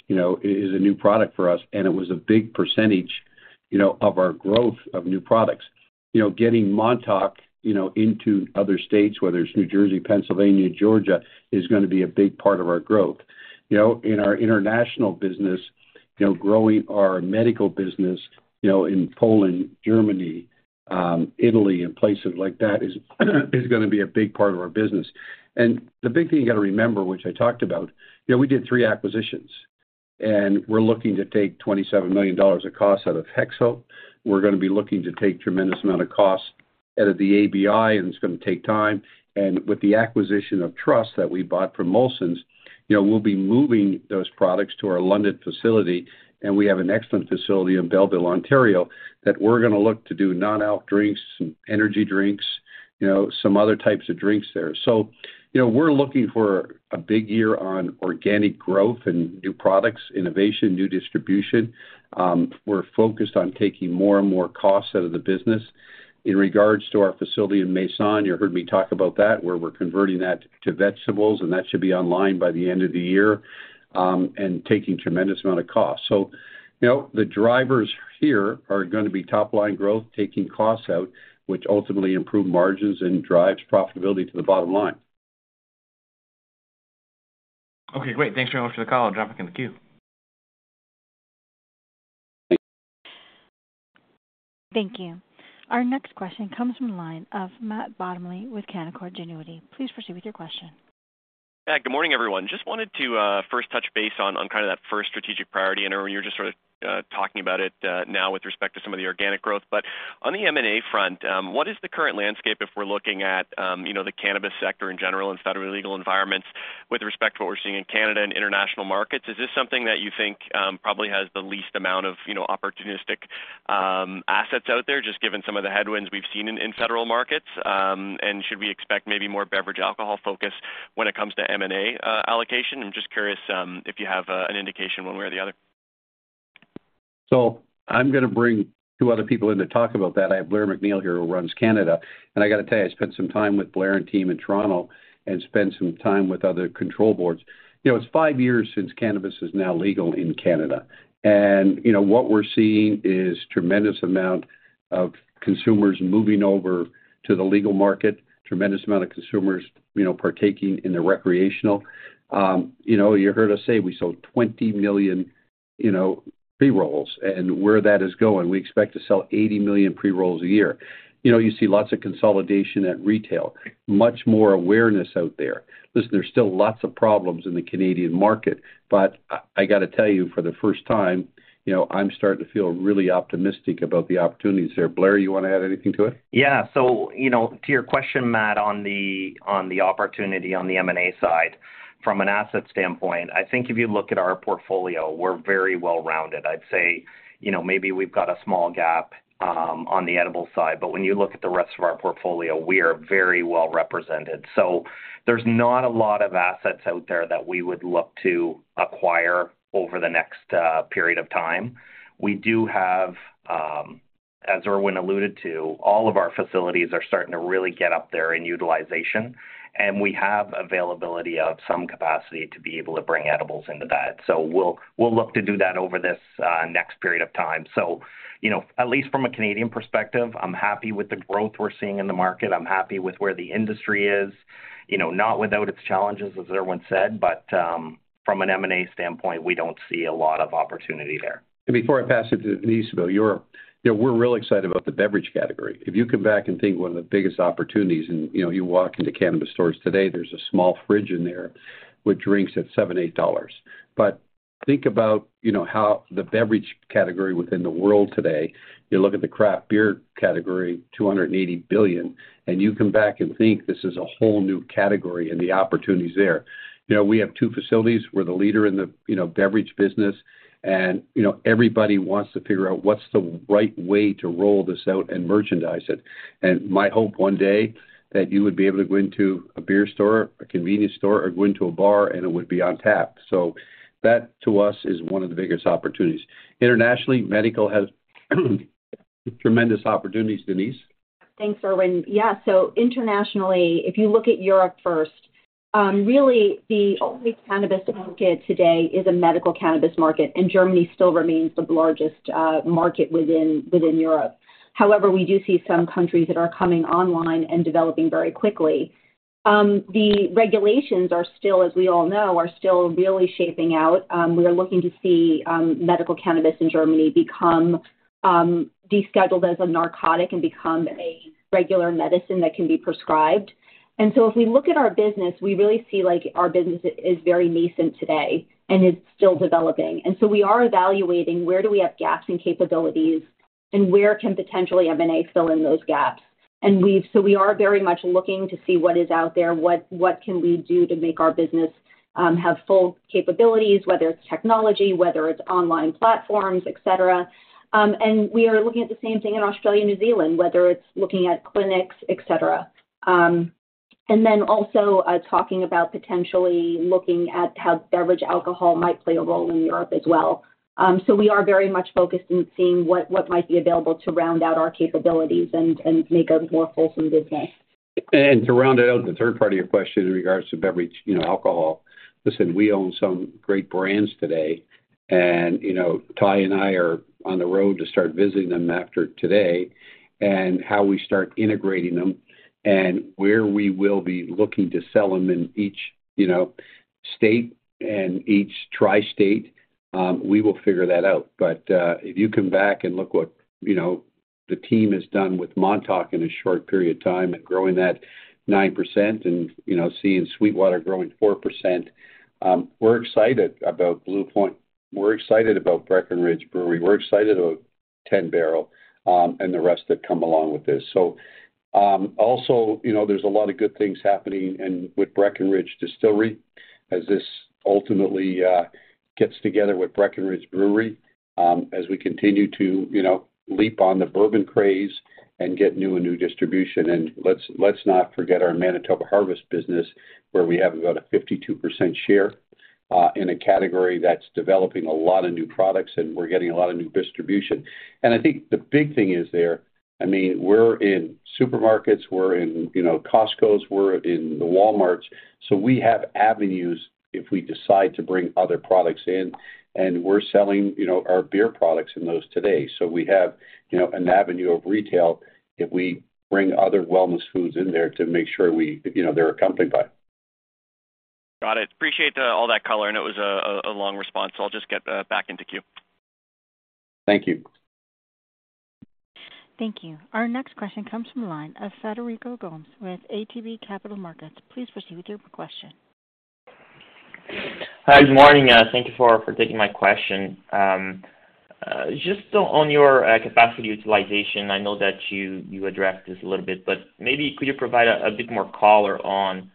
you know, is a new product for us, and it was a big percentage, you know, of our growth of new products. You know, getting Montauk, you know, into other states, whether it's New Jersey, Pennsylvania, Georgia, is gonna be a big part of our growth. You know, in our international business, you know, growing our medical business, you know, in Poland, Germany, Italy, and places like that, is, is gonna be a big part of our business. And the big thing you gotta remember, which I talked about, you know, we did three acquisitions, and we're looking to take $27 million of costs out of HEXO. We're gonna be looking to take tremendous amount of costs out of the ABI, and it's gonna take time. And with the acquisition of Truss that we bought from Molson's, you know, we'll be moving those products to our London facility, and we have an excellent facility in Belleville, Ontario, that we're gonna look to do non-alc drinks and energy drinks, you know, some other types of drinks there. So, you know, we're looking for a big year on organic growth and new products, innovation, new distribution. We're focused on taking more and more costs out of the business. In regards to our facility in Masson, you heard me talk about that, where we're converting that to vegetables, and that should be online by the end of the year, and taking tremendous amount of cost. So, you know, the drivers here are gonna be top-line growth, taking costs out, which ultimately improve margins and drives profitability to the bottom line. Okay, great. Thanks very much for the call. I'm dropping in the queue. Thanks. Thank you. Our next question comes from the line of Matt Bottomley with Canaccord Genuity. Please proceed with your question. Yeah, good morning, everyone. Just wanted to first touch base on kind of that first strategic priority. I know you're just sort of talking about it now with respect to some of the organic growth. But on the M&A front, what is the current landscape if we're looking at you know, the cannabis sector in general, in federal legal environments with respect to what we're seeing in Canada and international markets? Is this something that you think probably has the least amount of you know, opportunistic assets out there, just given some of the headwinds we've seen in federal markets, and should we expect maybe more Beverage Alcohol focus when it comes to M&A allocation? I'm just curious if you have an indication one way or the other. So I'm gonna bring two other people in to talk about that. I have Blair MacNeil here, who runs Canada. And I got to tell you, I spent some time with Blair and team in Toronto and spent some time with other control boards. You know, it's five years since cannabis is now legal in Canada, and, you know, what we're seeing is tremendous amount of consumers moving over to the legal market, tremendous amount of consumers, you know, partaking in the recreational. You know, you heard us say we sold 20 million pre-rolls. And where that is going, we expect to sell 80 million pre-rolls a year. You know, you see lots of consolidation at retail, much more awareness out there. Listen, there's still lots of problems in the Canadian market, but I got to tell you, for the first time, you know, I'm starting to feel really optimistic about the opportunities there. Blair, you want to add anything to it? Yeah. So, you know, to your question, Matt, on the, on the opportunity on the M&A side, from an asset standpoint, I think if you look at our portfolio, we're very well-rounded. I'd say, you know, maybe we've got a small gap, on the edibles side, but when you look at the rest of our portfolio, we are very well represented. So there's not a lot of assets out there that we would look to acquire over the next, period of time. We do have, as Irwin alluded to, all of our facilities are starting to really get up there in utilization, and we have availability of some capacity to be able to bring edibles into that. So we'll, we'll look to do that over this, next period of time. So, you know, at least from a Canadian perspective, I'm happy with the growth we're seeing in the market. I'm happy with where the industry is, you know, not without its challenges, as Irwin said. But, from an M&A standpoint, we don't see a lot of opportunity there. Before I pass it to Denise, though, you know, we're really excited about the beverage category. If you come back and think one of the biggest opportunities and, you know, you walk into cannabis stores today, there's a small fridge in there with drinks at $7-$8. But think about, you know, how the beverage category within the world today, you look at the craft beer category, $280 billion, and you come back and think this is a whole new category and the opportunities there. You know, we have 2 facilities. We're the leader in the, you know, beverage business, and, you know, everybody wants to figure out what's the right way to roll this out and merchandise it. My hope, one day, that you would be able to go into a beer store, a convenience store, or go into a bar, and it would be on tap. So that, to us, is one of the biggest opportunities. Internationally, medical has tremendous opportunities. Denise? Thanks, Irwin. Yeah, so internationally, if you look at Europe first, really the only cannabis market today is a medical cannabis market, and Germany still remains the largest market within Europe. However, we do see some countries that are coming online and developing very quickly. The regulations are still, as we all know, really shaping out. We are looking to see medical cannabis in Germany become descheduled as a narcotic and become a regular medicine that can be prescribed. And so if we look at our business, we really see, like, our business is very nascent today, and it's still developing. And so we are evaluating where do we have gaps in capabilities and where can potentially M&A fill in those gaps. So we are very much looking to see what is out there, what, what can we do to make our business have full capabilities, whether it's technology, whether it's online platforms, et cetera. And we are looking at the same thing in Australia, New Zealand, whether it's looking at clinics, et cetera. And then also, talking about potentially looking at how Beverage Alcohol might play a role in Europe as well. So we are very much focused in seeing what, what might be available to round out our capabilities and, and make a more wholesome business. To round out the third part of your question in regards to beverage, you know, alcohol. Listen, we own some great brands today, and, you know, Ty and I are on the road to start visiting them after today. And how we start integrating them and where we will be looking to sell them in each, you know, state and each tri-state, we will figure that out. But, if you come back and look what, you know, the team has done with Montauk in a short period of time and growing that 9% and, you know, seeing SweetWater growing 4%, we're excited about Blue Point. We're excited about Breckenridge Brewery. We're excited about 10 Barrel, and the rest that come along with this. So, also, you know, there's a lot of good things happening in, with Breckenridge Distillery, as this ultimately gets together with Breckenridge Brewery, as we continue to, you know, leap on the bourbon craze and get new and new distribution. And let's, let's not forget our Manitoba Harvest business, where we have about a 52% share, in a category that's developing a lot of new products, and we're getting a lot of new distribution. And I think the big thing is there, I mean, we're in supermarkets, we're in, you know, Costcos, we're in the Walmarts, so we have avenues if we decide to bring other products in, and we're selling, you know, our beer products in those today. So we have, you know, an avenue of retail if we bring other wellness foods in there to make sure we, you know, they're accompanied by it. Got it. Appreciate all that color, and it was a long response, so I'll just get back into queue. Thank you. Thank you. Our next question comes from the line of Frederico Gomes with ATB Capital Markets. Please proceed with your question. Hi, good morning, thank you for taking my question. Just on your capacity utilization, I know that you addressed this a little bit, but maybe could you provide a bit more color on,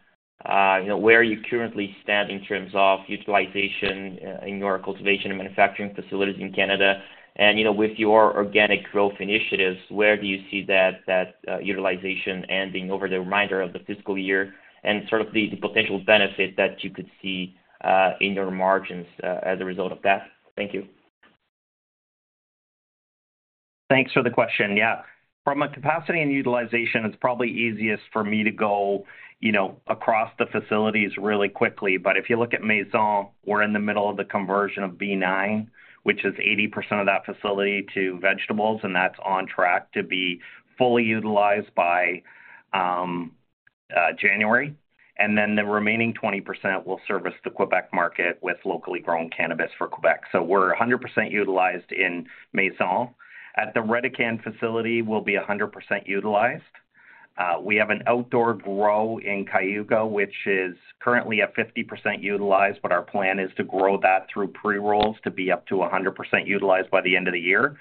you know, where you currently stand in terms of utilization in your cultivation and manufacturing facilities in Canada? And, you know, with your organic growth initiatives, where do you see that utilization ending over the remainder of the fiscal year and sort of the potential benefit that you could see in your margins as a result of that? Thank you. Thanks for the question. Yeah, from a capacity and utilization, it's probably easiest for me to go, you know, across the facilities really quickly. But if you look at Masson, we're in the middle of the conversion of B9, which is 80% of that facility, to vegetables, and that's on track to be fully utilized by January. And then the remaining 20% will service the Quebec market with locally grown cannabis for Quebec. So we're 100% utilized in Masson. At the Redecan facility, we'll be 100% utilized. We have an outdoor grow in Cayuga, which is currently at 50% utilized, but our plan is to grow that through pre-rolls to be up to 100% utilized by the end of the year.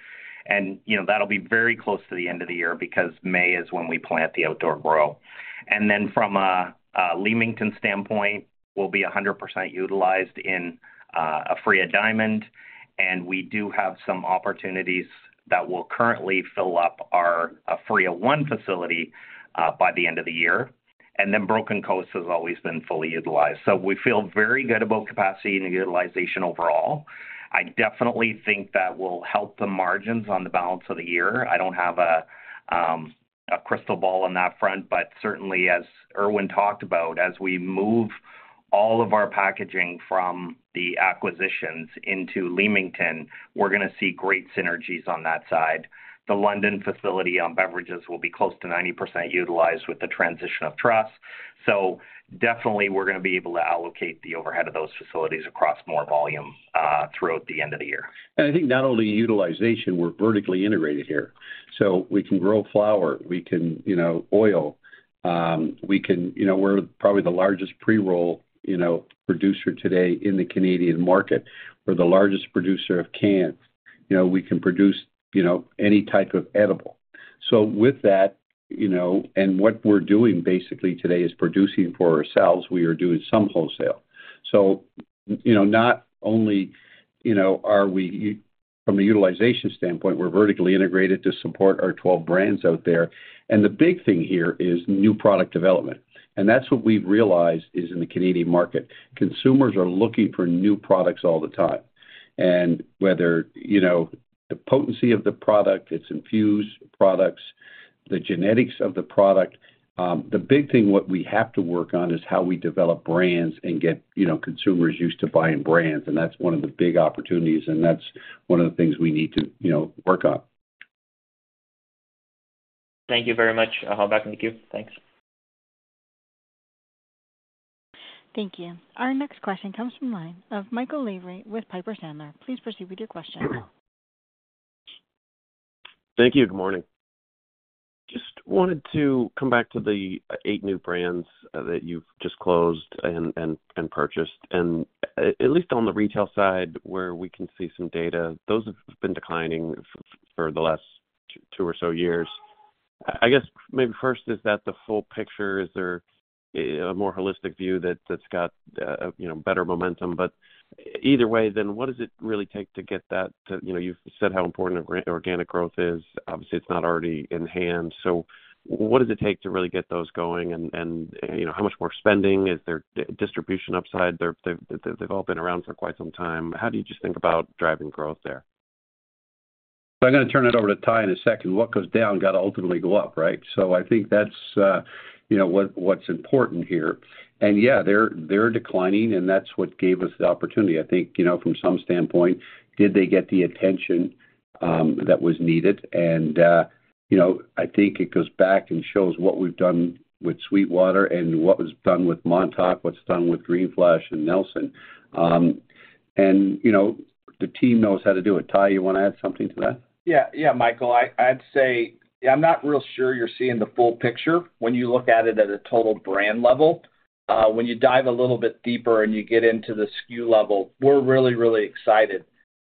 You know, that'll be very close to the end of the year because May is when we plant the outdoor grow. Then from a Leamington standpoint, we'll be 100% utilized in Aphria Diamond, and we do have some opportunities that will currently fill up our Aphria One facility by the end of the year, and then Broken Coast has always been fully utilized. So we feel very good about capacity and utilization overall. I definitely think that will help the margins on the balance of the year. I don't have a crystal ball on that front, but certainly, as Irwin talked about, as we move all of our packaging from the acquisitions into Leamington, we're gonna see great synergies on that side. The London facility on beverages will be close to 90% utilized with the transition of Truss. So definitely we're gonna be able to allocate the overhead of those facilities across more volume throughout the end of the year. I think not only utilization, we're vertically integrated here. So we can grow flower, we can, you know, oil, you know, we're probably the largest pre-roll, you know, producer today in the Canadian market. We're the largest producer of cans. You know, we can produce, you know, any type of edible. So with that, you know, and what we're doing basically today is producing for ourselves, we are doing some wholesale. So, you know, not only, you know, are we, from a utilization standpoint, we're vertically integrated to support our 12 brands out there. The big thing here is new product development, and that's what we've realized is in the Canadian market. Consumers are looking for new products all the time. Whether, you know, the potency of the product, it's infused products, the genetics of the product, the big thing, what we have to work on, is how we develop brands and get, you know, consumers used to buying brands, and that's one of the big opportunities, and that's one of the things we need to, you know, work on. Thank you very much. I'll hop back in the queue. Thanks. Thank you. Our next question comes from the line of Michael Lavery with Piper Sandler. Please proceed with your question. Thank you. Good morning. Just wanted to come back to the eight new brands that you've just closed and purchased. And at least on the retail side, where we can see some data, those have been declining for the last two or so years. I guess, maybe first, is that the full picture? Is there a more holistic view that's got you know, better momentum? But either way, then, what does it really take to get that to... You know, you've said how important organic growth is. Obviously, it's not already in hand. So what does it take to really get those going? And you know, how much more spending? Is there distribution upside? They've all been around for quite some time. How do you just think about driving growth there? I'm gonna turn it over to Ty in a second. What goes down, gotta ultimately go up, right? So I think that's, you know, what, what's important here. And yeah, they're, they're declining, and that's what gave us the opportunity. I think, you know, from some standpoint, did they get the attention, that was needed? And, you know, I think it goes back and shows what we've done with SweetWater and what was done with Montauk, what's done with Green Flash and Nelson. And, you know, the team knows how to do it. Ty, you want to add something to that? Yeah, yeah, Michael, I'd say I'm not real sure you're seeing the full picture when you look at it at a total brand level. When you dive a little bit deeper and you get into the SKU level, we're really, really excited.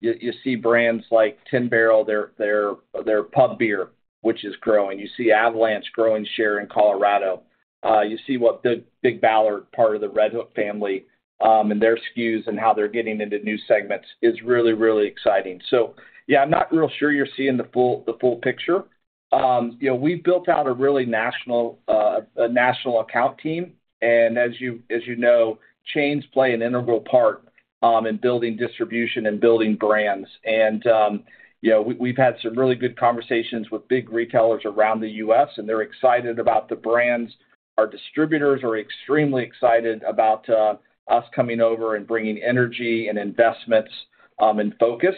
You see brands like 10 Barrel, their Pub Beer, which is growing. You see Avalanche growing share in Colorado. You see what the Big Ballard, part of the Redhook family, and their SKUs and how they're getting into new segments is really, really exciting. So yeah, I'm not real sure you're seeing the full picture. You know, we've built out a national account team, and as you know, chains play an integral part in building distribution and building brands. You know, we, we've had some really good conversations with big retailers around the U.S., and they're excited about the brands. Our distributors are extremely excited about us coming over and bringing energy and investments, and focus.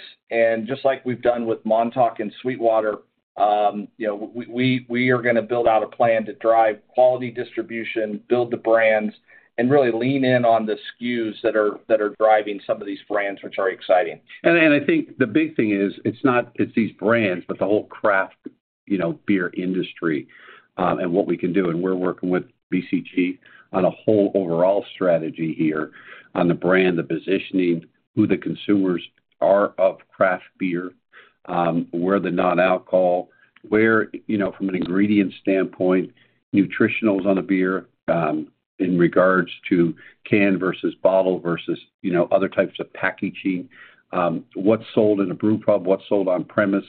Just like we've done with Montauk and SweetWater, you know, we are gonna build out a plan to drive quality distribution, build the brands, and really lean in on the SKUs that are driving some of these brands, which are exciting. And I think the big thing is, it's not just these brands, but the whole craft, you know, beer industry, and what we can do. And we're working with BCG on a whole overall strategy here on the brand, the positioning, who the consumers are of craft beer, where the non-alcohol, where, you know, from an ingredient standpoint, nutritionals on a beer, in regards to can versus bottle versus, you know, other types of packaging. What's sold in a brew pub, what's sold on premise,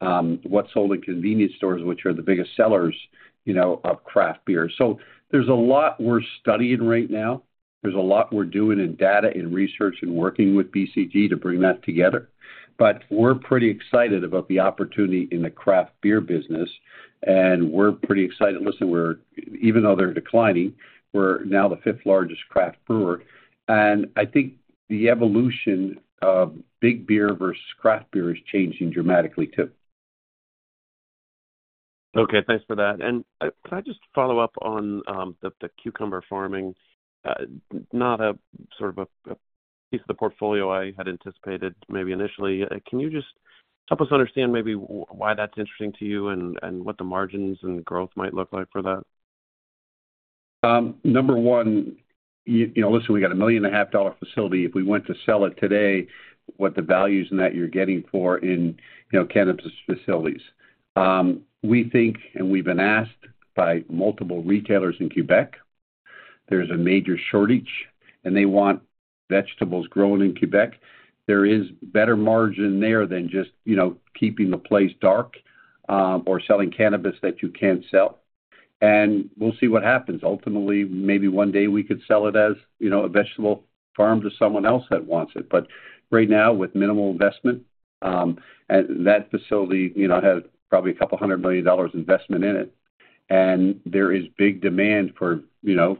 what's sold in convenience stores, which are the biggest sellers, you know, of craft beer. So there's a lot we're studying right now. There's a lot we're doing in data and research and working with BCG to bring that together. But we're pretty excited about the opportunity in the craft beer business, and we're pretty excited. Listen, we're even though they're declining, we're now the fifth largest craft brewer, and I think the evolution of big beer versus craft beer is changing dramatically, too. Okay, thanks for that. And can I just follow up on the cucumber farming? Not a sort of a piece of the portfolio I had anticipated, maybe initially. Can you just help us understand maybe why that's interesting to you and what the margins and growth might look like for that? Number one, you know, listen, we got a $1.5 million facility. If we went to sell it today, what the values in that you're getting for in, you know, cannabis facilities. We think, and we've been asked by multiple retailers in Quebec. There's a major shortage, and they want vegetables grown in Quebec. There is better margin there than just, you know, keeping the place dark, or selling cannabis that you can't sell. And we'll see what happens. Ultimately, maybe one day we could sell it as, you know, a vegetable farm to someone else that wants it. But right now, with minimal investment, and that facility, you know, had probably a $200 million investment in it, and there is big demand for, you know,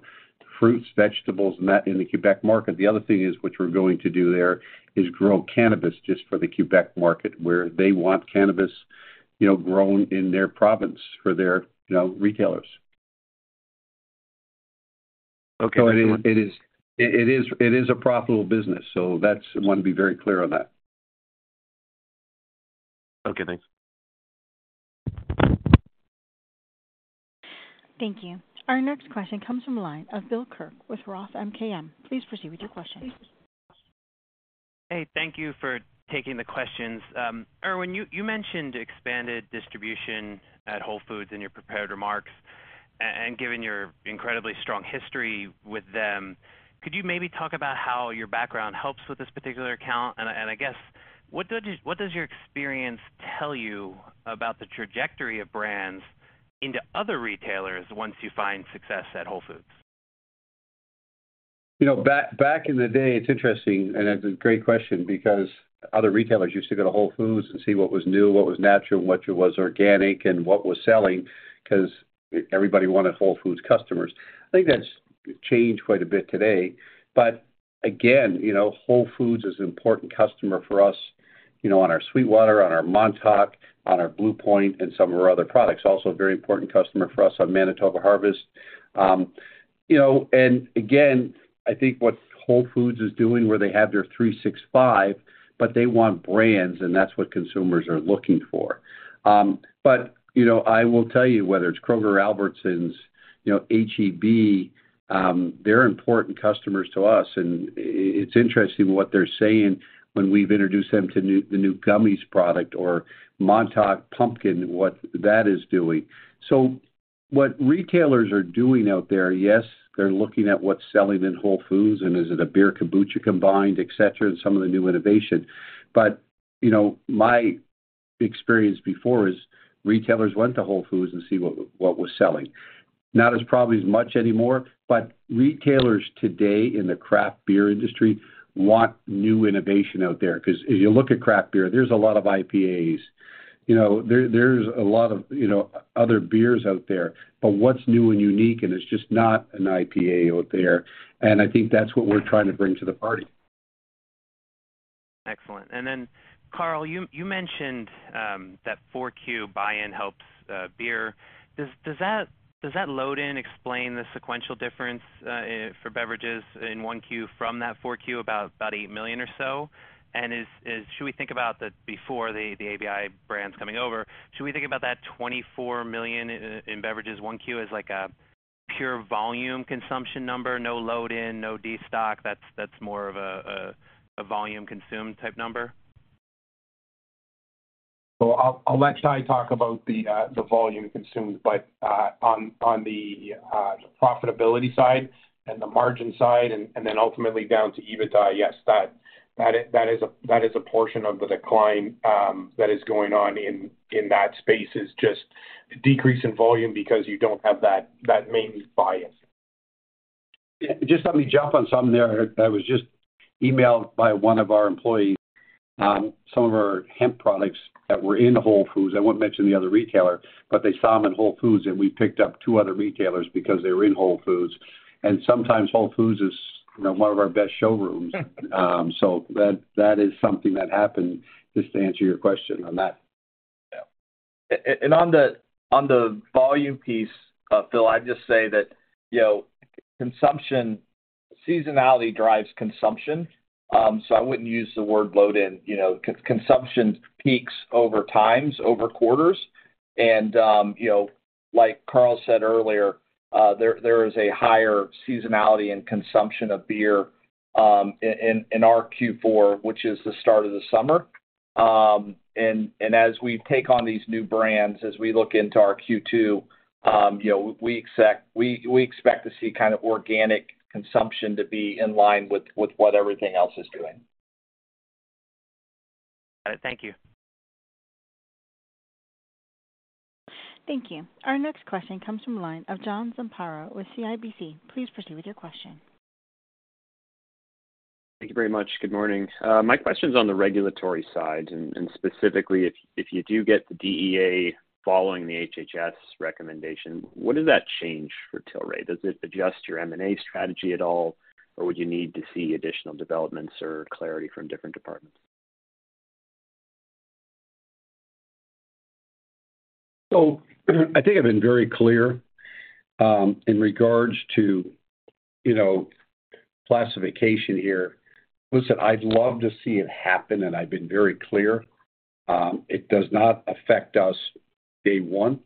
fruits, vegetables, and that in the Quebec market. The other thing is, what we're going to do there is grow cannabis just for the Quebec market, where they want cannabis, you know, grown in their province for their, you know, retailers. Okay. It is a profitable business, so that's... I want to be very clear on that. Okay, thanks. Thank you. Our next question comes from the line of Bill Kirk with Roth MKM. Please proceed with your question. Hey, thank you for taking the questions. Irwin, you mentioned expanded distribution at Whole Foods in your prepared remarks, and given your incredibly strong history with them, could you maybe talk about how your background helps with this particular account? And I guess, what does your experience tell you about the trajectory of brands into other retailers once you find success at Whole Foods? You know, back in the day, it's interesting, and that's a great question because other retailers used to go to Whole Foods and see what was new, what was natural, what was organic, and what was selling, because everybody wanted Whole Foods customers. I think that's changed quite a bit today. But again, you know, Whole Foods is an important customer for us, you know, on our SweetWater, on our Montauk, on our Blue Point, and some of our other products. Also a very important customer for us on Manitoba Harvest. You know, and again, I think what Whole Foods is doing, where they have their 365, but they want brands, and that's what consumers are looking for. But, you know, I will tell you, whether it's Kroger, Albertsons, you know, HEB, they're important customers to us, and it's interesting what they're saying when we've introduced them to new... the new Gummies product or Montauk Pumpkin, what that is doing. So what retailers are doing out there, yes, they're looking at what's selling in Whole Foods, and is it a beer kombucha combined, et cetera, and some of the new innovation. But, you know, my experience before is retailers went to Whole Foods and see what, what was selling. Not as probably as much anymore, but retailers today in the craft beer industry want new innovation out there. Because if you look at craft beer, there's a lot of IPAs. You know, there's a lot of, you know, other beers out there, but what's new and unique and is just not an IPA out there, and I think that's what we're trying to bring to the party. Excellent. And then, Carl, you mentioned that 4Q buy-in helps beer. Does that load in explain the sequential difference for beverages in 1Q from that 4Q, about $8 million or so? And is... Should we think about the, before the ABI brands coming over, should we think about that $24 million in beverages, 1Q, as, like, a pure volume consumption number? No load in, no destock, that's more of a volume consumed type number? So I'll let Ty talk about the volume consumed, but on the profitability side and the margin side and then ultimately down to EBITDA, yes, that is a portion of the decline that is going on in that space is just a decrease in volume because you don't have that main bias. Just let me jump on something there. I was just emailed by one of our employees on some of our hemp products that were in Whole Foods. I won't mention the other retailer, but they saw them in Whole Foods, and we picked up two other retailers because they were in Whole Foods. Sometimes Whole Foods is, you know, one of our best showrooms. So that, that is something that happened, just to answer your question on that. Yeah. And on the, on the volume piece, Phil, I'd just say that, you know, consumption, seasonality drives consumption, so I wouldn't use the word load in. You know, consumption peaks over times, over quarters. And, you know, like Carl said earlier, there is a higher seasonality and consumption of beer, in, in our Q4, which is the start of the summer. And as we take on these new brands, as we look into our Q2, you know, we expect, we expect to see kind of organic consumption to be in line with what everything else is doing. Got it. Thank you. Thank you. Our next question comes from the line of John Zamparo with CIBC. Please proceed with your question. Thank you very much. Good morning. My question's on the regulatory side, and specifically, if you do get the DEA following the HHS recommendation, what does that change for Tilray? Does it adjust your M&A strategy at all, or would you need to see additional developments or clarity from different departments? So, I think I've been very clear in regards to, you know, classification here. Listen, I'd love to see it happen, and I've been very clear. It does not affect us day one,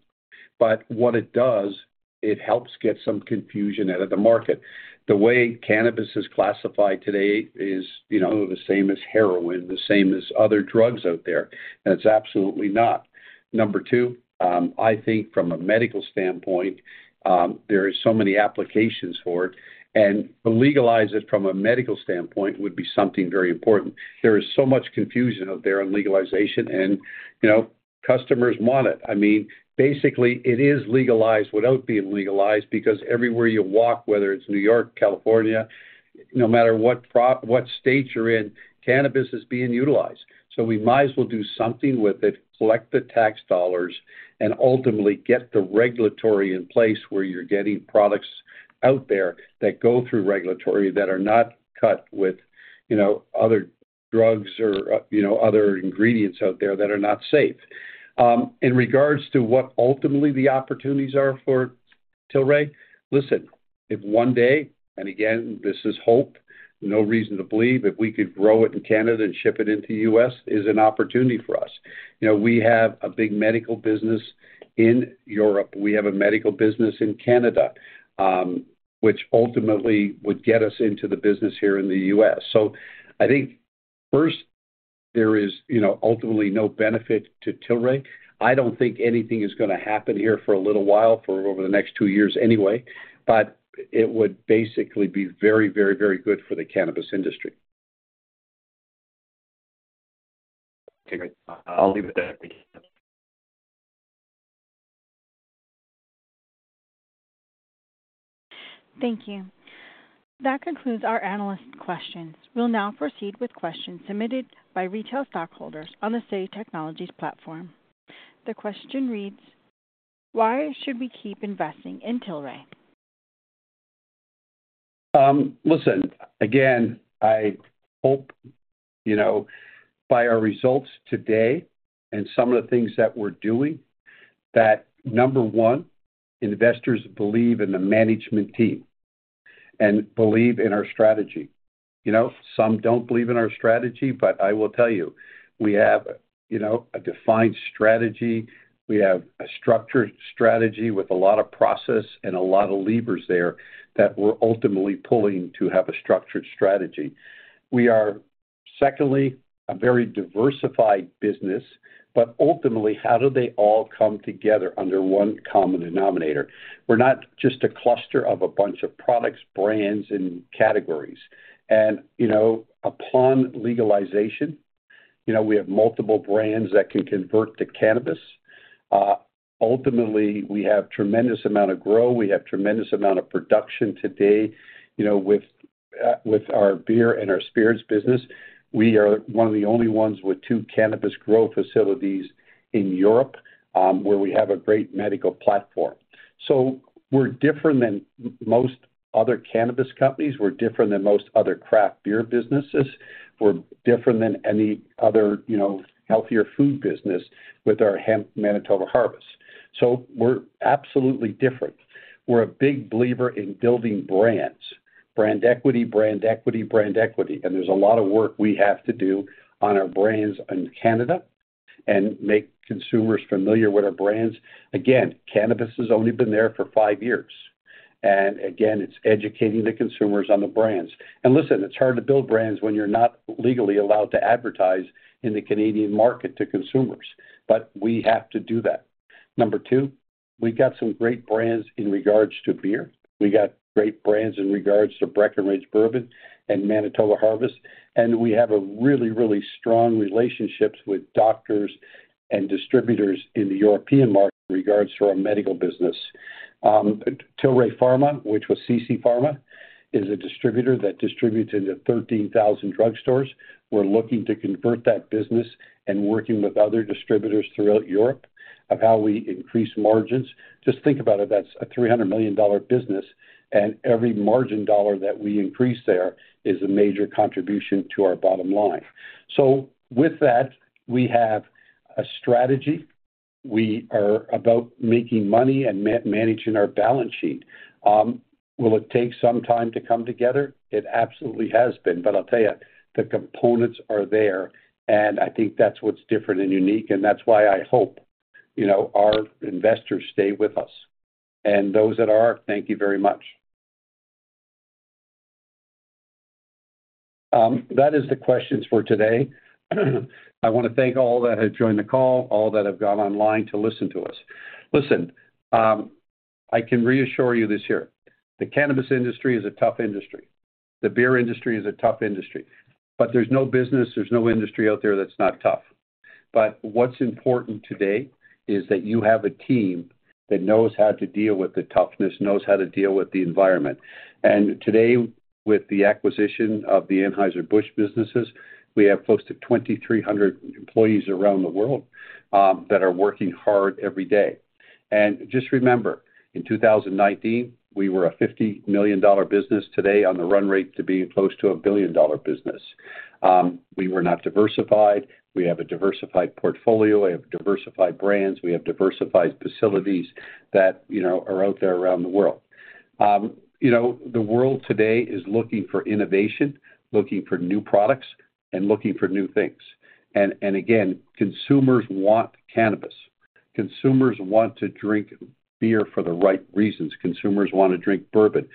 but what it does, it helps get some confusion out of the market. The way cannabis is classified today is, you know, the same as heroin, the same as other drugs out there, and it's absolutely not. Number two, I think from a medical standpoint, there are so many applications for it, and to legalize it from a medical standpoint would be something very important. There is so much confusion out there on legalization, and, you know, customers want it. I mean, basically, it is legalized without being legalized, because everywhere you walk, whether it's New York, California, no matter what state you're in, cannabis is being utilized. So we might as well do something with it, collect the tax dollars, and ultimately get the regulatory in place where you're getting products out there that go through regulatory that are not cut with, you know, other drugs or, you know, other ingredients out there that are not safe. In regards to what ultimately the opportunities are for Tilray, listen, if one day, and again, this is hope, no reason to believe, if we could grow it in Canada and ship it into U.S., is an opportunity for us. You know, we have a big medical business in Europe. We have a medical business in Canada, which ultimately would get us into the business here in the U.S. So I think first, there is, you know, ultimately no benefit to Tilray. I don't think anything is gonna happen here for a little while, for over the next two years anyway, but it would basically be very, very, very good for the cannabis industry. Okay, great. I'll leave it there, thank you. Thank you. That concludes our analyst questions. We'll now proceed with questions submitted by retail stockholders on the Say Technologies platform. The question reads: Why should we keep investing in Tilray? Listen, again, I hope, you know, by our results today and some of the things that we're doing, that number one, investors believe in the management team and believe in our strategy. You know, some don't believe in our strategy, but I will tell you, we have, you know, a defined strategy. We have a structured strategy with a lot of process and a lot of levers there that we're ultimately pulling to have a structured strategy. We are, secondly, a very diversified business, but ultimately, how do they all come together under one common denominator? We're not just a cluster of a bunch of products, brands, and categories. And, you know, upon legalization, you know, we have multiple brands that can convert to cannabis. Ultimately, we have tremendous amount of grow, we have tremendous amount of production today, you know, with, with our beer and our spirits business. We are one of the only ones with two cannabis grow facilities in Europe, where we have a great medical platform. So we're different than most other cannabis companies, we're different than most other craft beer businesses. We're different than any other, you know, healthier food business with our hemp, Manitoba Harvest. So we're absolutely different. We're a big believer in building brands, brand equity, brand equity, brand equity, and there's a lot of work we have to do on our brands in Canada and make consumers familiar with our brands. Again, cannabis has only been there for five years, and again, it's educating the consumers on the brands. And listen, it's hard to build brands when you're not legally allowed to advertise in the Canadian market to consumers, but we have to do that. Number 2, we've got some great brands in regards to beer. We got great brands in regards to Breckenridge Bourbon and Manitoba Harvest, and we have a really, really strong relationships with doctors and distributors in the European market in regards to our medical business. Tilray Pharma, which was CC Pharma, is a distributor that distributes into 13,000 drugstores. We're looking to convert that business and working with other distributors throughout Europe of how we increase margins. Just think about it, that's a $300 million business, and every margin dollar that we increase there is a major contribution to our bottom line. So with that, we have a strategy. We are about making money and managing our balance sheet. Will it take some time to come together? It absolutely has been, but I'll tell you, the components are there, and I think that's what's different and unique, and that's why I hope, you know, our investors stay with us. And those that are, thank you very much. That is the questions for today. I want to thank all that have joined the call, all that have gone online to listen to us. Listen, I can reassure you this year, the cannabis industry is a tough industry. The beer industry is a tough industry, but there's no business, there's no industry out there that's not tough. But what's important today is that you have a team that knows how to deal with the toughness, knows how to deal with the environment. Today, with the acquisition of the Anheuser-Busch businesses, we have close to 2,300 employees around the world, that are working hard every day. Just remember, in 2019, we were a $50 million business. Today, on the run rate to being close to a $1 billion business. We were not diversified. We have a diversified portfolio, we have diversified brands, we have diversified facilities that, you know, are out there around the world. You know, the world today is looking for innovation, looking for new products, and looking for new things. And again, consumers want cannabis. Consumers want to drink beer for the right reasons. Consumers want to drink bourbon.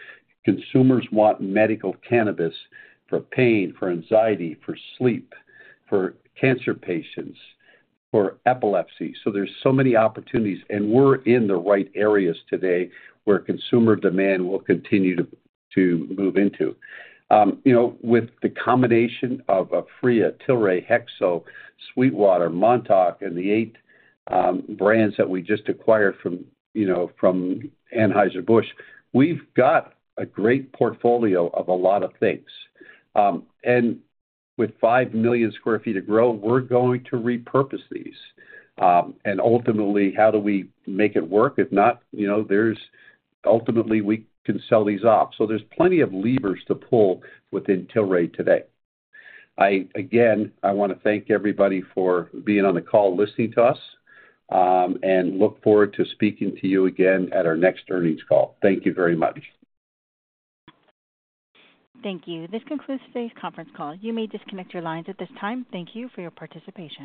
Consumers want medical cannabis for pain, for anxiety, for sleep, for cancer patients, for epilepsy. So there's so many opportunities, and we're in the right areas today where consumer demand will continue to move into. You know, with the combination of Aphria, Tilray, HEXO, SweetWater, Montauk, and the eight brands that we just acquired from, you know, from Anheuser-Busch, we've got a great portfolio of a lot of things. And with five million sq ft of grow, we're going to repurpose these. And ultimately, how do we make it work? If not, you know, there's. Ultimately, we can sell these off. So there's plenty of levers to pull within Tilray today. I, again, I want to thank everybody for being on the call, listening to us, and look forward to speaking to you again at our next earnings call. Thank you very much. Thank you. This concludes today's conference call. You may disconnect your lines at this time. Thank you for your participation.